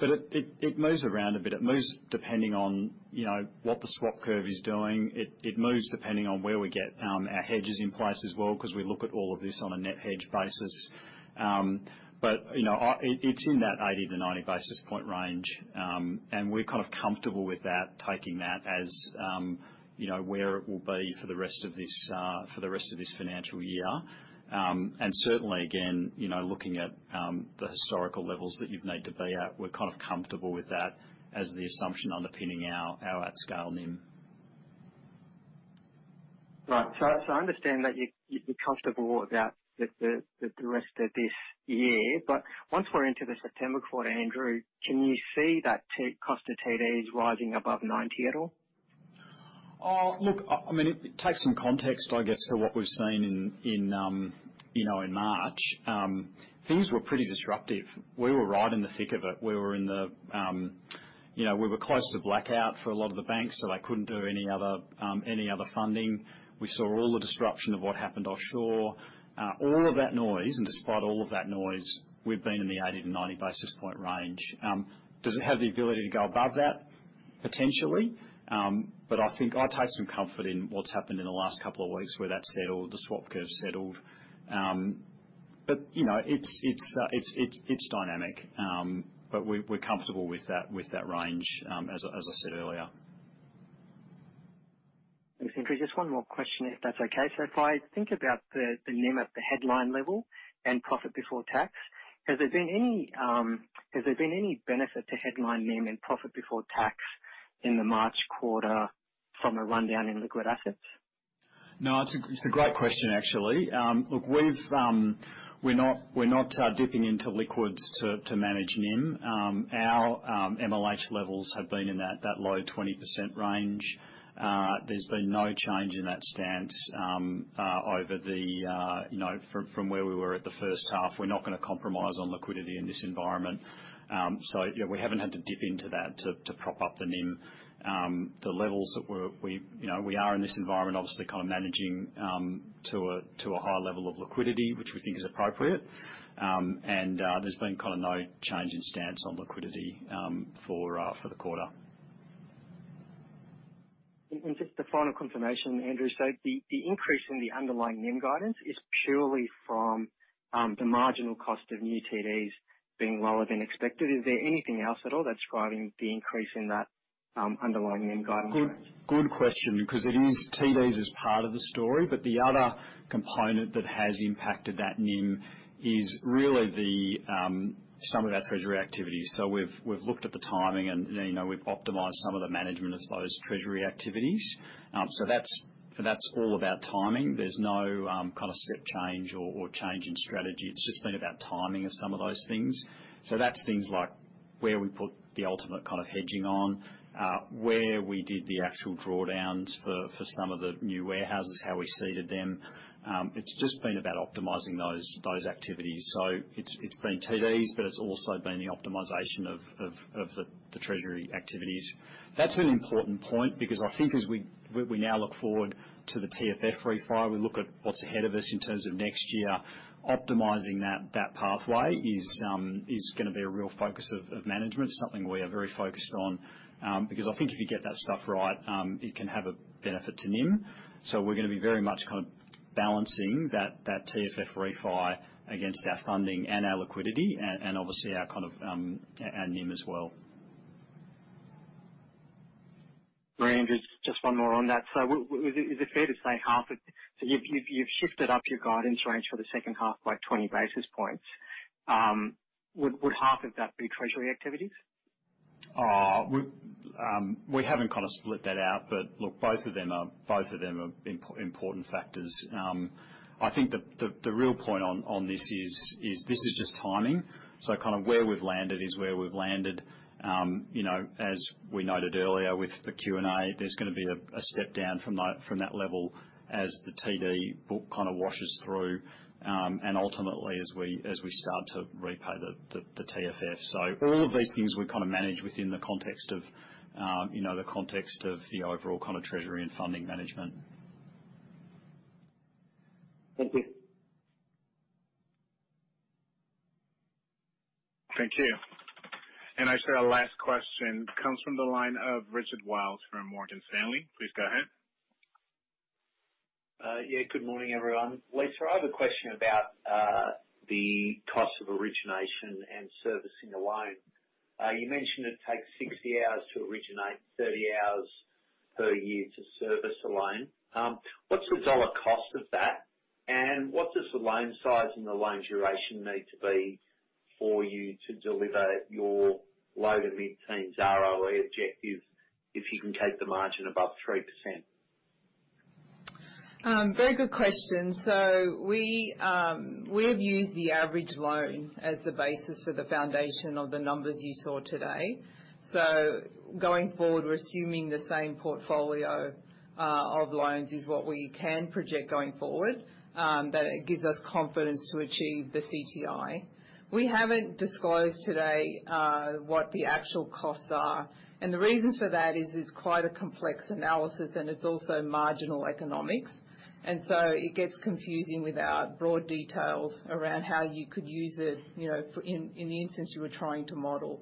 It moves around a bit. It moves depending on, you know, what the swap curve is doing. It moves depending on where we get our hedges in place as well, 'cause we look at all of this on a net hedge basis. You know, It's in that 80 to 90 basis point range. We're kind of comfortable with that, taking that as, you know, where it will be for the rest of this financial year. Certainly again, you know, looking at the historical levels that you'd need to be at, we're kind of comfortable with that as the assumption underpinning our at-scale NIM. I understand that you're comfortable with that, with the rest of this year. Once we're into the September quarter, Andrew, can you see that cost of TDs rising above 90 at all? Look, I mean, take some context, I guess, to what we've seen in March. Things were pretty disruptive. We were right in the thick of it. We were in the, we were close to blackout for a lot of the banks, so they couldn't do any other, any other funding. We saw all the disruption of what happened offshore. All of that noise, despite all of that noise, we've been in the 80 to 90 basis point range. Does it have the ability to go above that? Potentially. I think I take some comfort in what's happened in the last couple of weeks where that's settled, the swap curve's settled. It's, it's, it's dynamic. We're comfortable with that range, as I said earlier. Just one more question, if that's okay. If I think about the NIM at the headline level and profit before tax, has there been any benefit to headline NIM and profit before tax in the March quarter from a rundown in liquid assets? No, it's a, it's a great question, actually. Look, we're not, we're not dipping into liquids to manage NIM. Our MLH levels have been in that low 20% range. There's been no change in that stance over the, you know, from where we were at the first half. We're not gonna compromise on liquidity in this environment. You know, we haven't had to dip into that to prop up the NIM. The levels that we're, you know, we are in this environment, obviously kind of managing to a high level of liquidity, which we think is appropriate. There's been kind of no change in stance on liquidity for the quarter. Just the final confirmation, Andrew. The increase in the underlying NIM guidance is purely from the marginal cost of new TDs being lower than expected. Is there anything else at all that's driving the increase in that underlying NIM guidance range? Good question, because it is, TDs is part of the story, but the other component that has impacted that NIM is really the, some of our treasury activities. We've looked at the timing and, you know, we've optimized some of the management of those treasury activities. That's all about timing. There's no, kind of step change or change in strategy. It's just been about timing of some of those things. That's things like where we put the ultimate kind of hedging on, where we did the actual drawdowns for some of the new warehouses, how we seeded them. It's just been about optimizing those activities. It's been TDs, but it's also been the optimization of the treasury activities. That's an important point because I think as we now look forward to the TFF refi, we look at what's ahead of us in terms of next year, optimizing that pathway is gonna be a real focus of management. It's something we are very focused on, because I think if you get that stuff right, it can have a benefit to NIM. We're gonna be very much kind of balancing that TFF refi against our funding and our liquidity and obviously our kind of, our NIM as well. Great, Andrew. Just one more on that. Is it fair to say half of... You've shifted up your guidance range for the second half by 20 basis points. Would half of that be treasury activities? We haven't kind of split that out. Look, both of them are important factors. I think the real point on this is this is just timing. Kind of where we've landed is where we've landed. You know, as we noted earlier with the Q&A, there's gonna be a step down from that level as the TD book kind of washes through, and ultimately as we start to repay the TFF. All of these things we kind of manage within the context of, you know, the context of the overall kind of treasury and funding management. Thank you. Thank you. I see our last question comes from the line of Richard Wiles from Morgan Stanley. Please go ahead. Yeah, good morning, everyone. Lisa, I have a question about the cost of origination and servicing the loan. You mentioned it takes 60 hours to originate, 30 hours per year to service a loan. What's the AUD cost of that? What does the loan size and the loan duration need to be for you to deliver your low- to mid-teens ROE objective if you can keep the margin above 3%? Very good question. We've used the average loan as the basis for the foundation of the numbers you saw today. Going forward, we're assuming the same portfolio, of loans is what we can project going forward, that it gives us confidence to achieve the CTI. We haven't disclosed today, what the actual costs are, and the reasons for that is it's quite a complex analysis and it's also marginal economics. It gets confusing with our broad details around how you could use it, you know, for in the instance you were trying to model.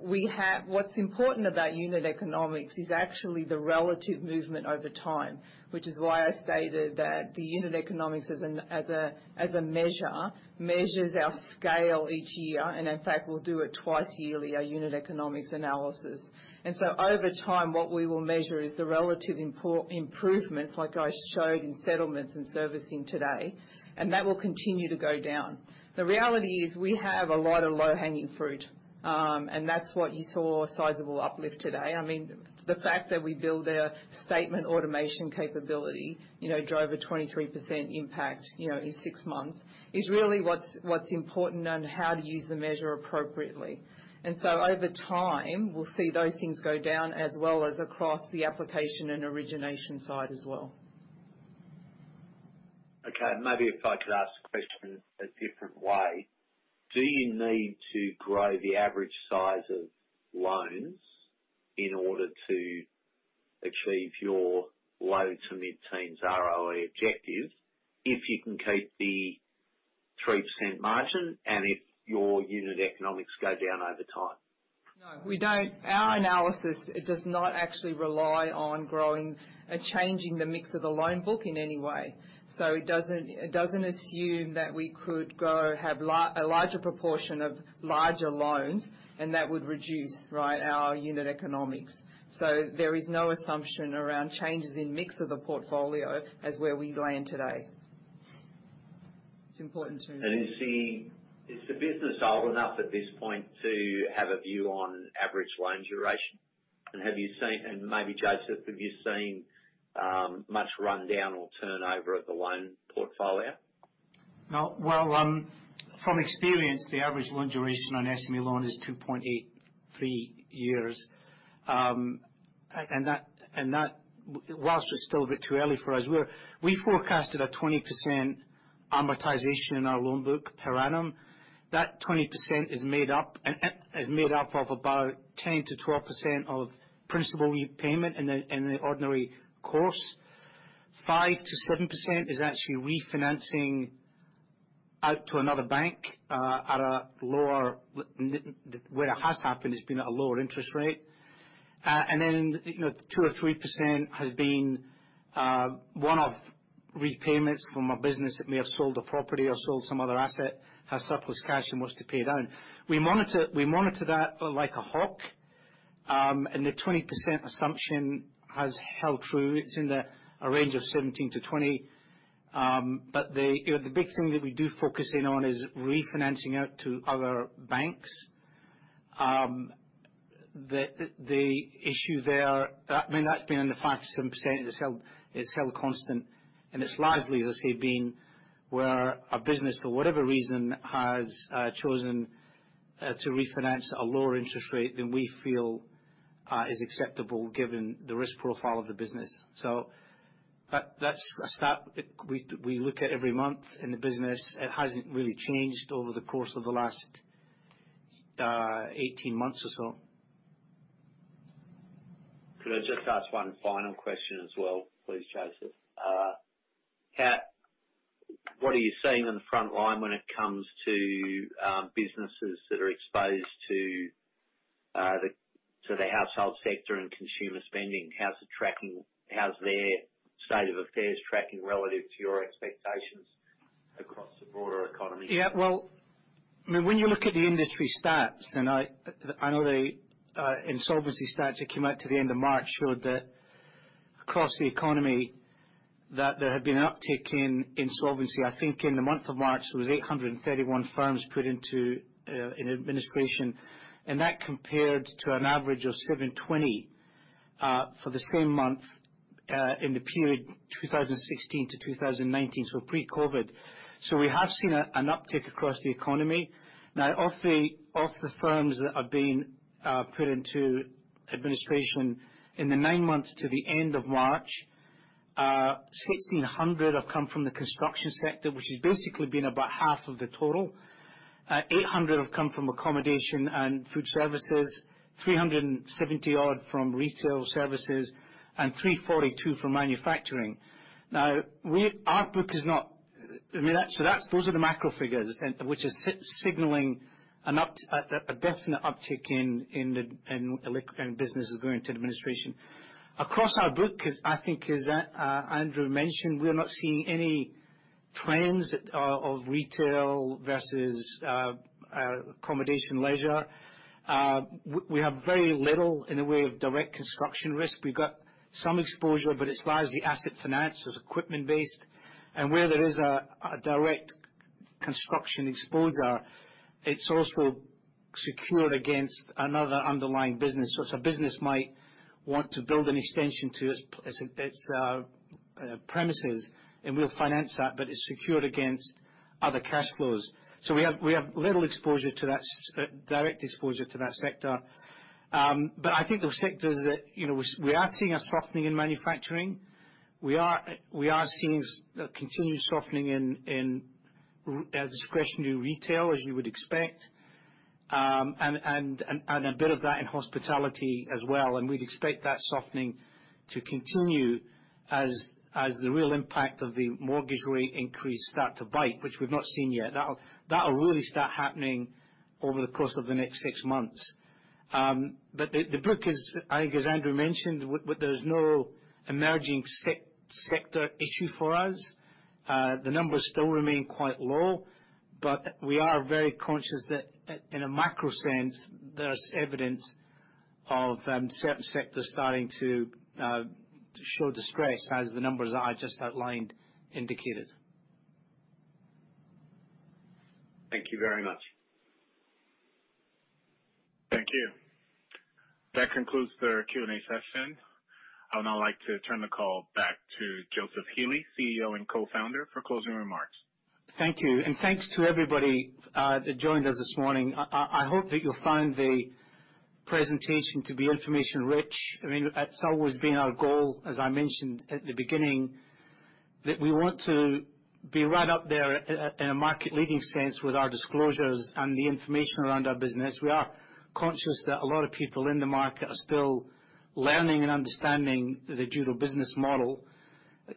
We have... What's important about unit economics is actually the relative movement over time, which is why I stated that the unit economics as a measure, measures our scale each year, and in fact we'll do it twice yearly, our unit economics analysis. Over time, what we will measure is the relative improvements, like I showed in settlements and servicing today, and that will continue to go down. The reality is we have a lot of low-hanging fruit, and that's what you saw a sizable uplift today. I mean, the fact that we built our statement automation capability, you know, drove a 23% impact, you know, in six months, is really what's important and how to use the measure appropriately. Over time, we'll see those things go down as well as across the application and origination side as well. Okay. Maybe if I could ask the question a different way. Do you need to grow the average size of loans in order to achieve your low- to mid-teens ROE objective if you can keep the 3% margin and if your unit economics go down over time? No, we don't. Our analysis, it does not actually rely on growing or changing the mix of the loan book in any way. It doesn't assume that we could grow, have a larger proportion of larger loans and that would reduce, right, our unit economics. There is no assumption around changes in mix of the portfolio as where we land today. It's important. Is the business old enough at this point to have a view on average loan duration? Have you seen, maybe Joseph, have you seen much rundown or turnover at the loan portfolio? No. Well, from experience, the average loan duration on SME loan is 2.83 years. Whilst it's still a bit too early for us, we forecasted a 20% amortization in our loan book per annum. That 20% is made up, and is made up of about 10%-12% of principal repayment in the ordinary course. 5%-7% is actually refinancing out to another bank, at a lower Where it has happened, it's been at a lower interest rate. Then, you know, 2% or 3% has been one-off repayments from a business that may have sold a property or sold some other asset, has surplus cash and wants to pay down. We monitor that like a hawk, the 20% assumption has held true. It's in a range of 17%-20%. You know, the big thing that we do focus in on is refinancing out to other banks. The issue there, I mean, that's been in the 5%-7%. It's held constant. It's largely, as I say, being where a business, for whatever reason, has chosen to refinance at a lower interest rate than we feel is acceptable given the risk profile of the business. That's a stat we look at every month in the business. It hasn't really changed over the course of the last 18 months or so. Could I just ask one final question as well please, Joseph? What are you seeing on the front line when it comes to businesses that are exposed to the household sector and consumer spending? How's it tracking? How's their state of affairs tracking relative to your expectations across the broader economy? Yeah. Well, I mean, when you look at the industry stats, and I know the insolvency stats that came out to the end of March showed that across the economy, that there had been an uptick in insolvency. I think in the month of March, it was 831 firms put into an administration. That compared to an average of 720 for the same month in the period 2016 to 2019, so pre-COVID. We have seen an uptick across the economy. Now, of the firms that have been put into administration in the nine months to the end of March, 1,600 have come from the construction sector, which has basically been about half of the total. 800 have come from accommodation and food services, 370 odd from retail services, and 342 from manufacturing. Our book is not... I mean, that's, those are the macro figures, which is signaling a definite uptick in businesses going into administration. Across our book is, I think as Andrew mentioned, we're not seeing any trends of retail versus accommodation leisure. We have very little in the way of direct construction risk. We've got some exposure, it's largely asset finance, it's equipment-based. Where there is a direct construction exposure, it's also secured against another underlying business. It's a business might want to build an extension to its premises, we'll finance that, it's secured against other cash flows. We have little exposure to that direct exposure to that sector. I think those sectors that, you know, we are seeing a softening in manufacturing. We are seeing a continued softening in discretionary retail, as you would expect. A bit of that in hospitality as well. We'd expect that softening to continue as the real impact of the mortgage rate increase start to bite, which we've not seen yet. That'll really start happening over the course of the next six months. The book is, I think as Andrew mentioned, there's no emerging sector issue for us. The numbers still remain quite low, but we are very conscious that in a macro sense, there's evidence of certain sectors starting to show distress as the numbers that I just outlined indicated. Thank you very much. Thank you. That concludes our Q&A session. I would now like to turn the call back to Joseph Healy, CEO and Co-Founder, for closing remarks. Thank you. Thanks to everybody that joined us this morning. I hope that you'll find the presentation to be information rich. I mean, that's always been our goal, as I mentioned at the beginning, that we want to be right up there in a market leading sense with our disclosures and the information around our business. We are conscious that a lot of people in the market are still learning and understanding the Judo business model,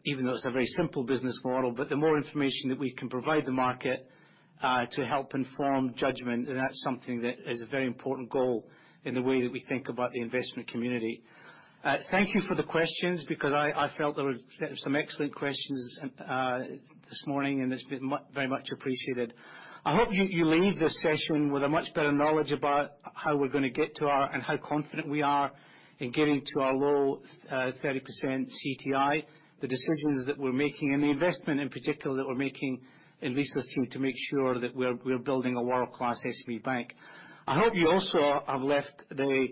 even though it's a very simple business model. The more information that we can provide the market to help inform judgment, that's something that is a very important goal in the way that we think about the investment community. Thank you for the questions because I felt there were some excellent questions this morning, and it's been very much appreciated. I hope you leave this session with a much better knowledge about how we're gonna get to our, and how confident we are in getting to our low 30% CTI. The decisions that we're making and the investment in particular that we're making in leasing to make sure that we're building a world-class SME bank. I hope you also have left the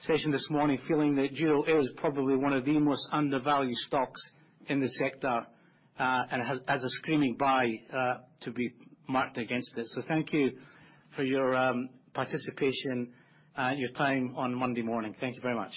session this morning feeling that Judo is probably one of the most undervalued stocks in the sector and has a screaming buy to be marked against it. Thank you for your participation and your time on Monday morning. Thank you very much.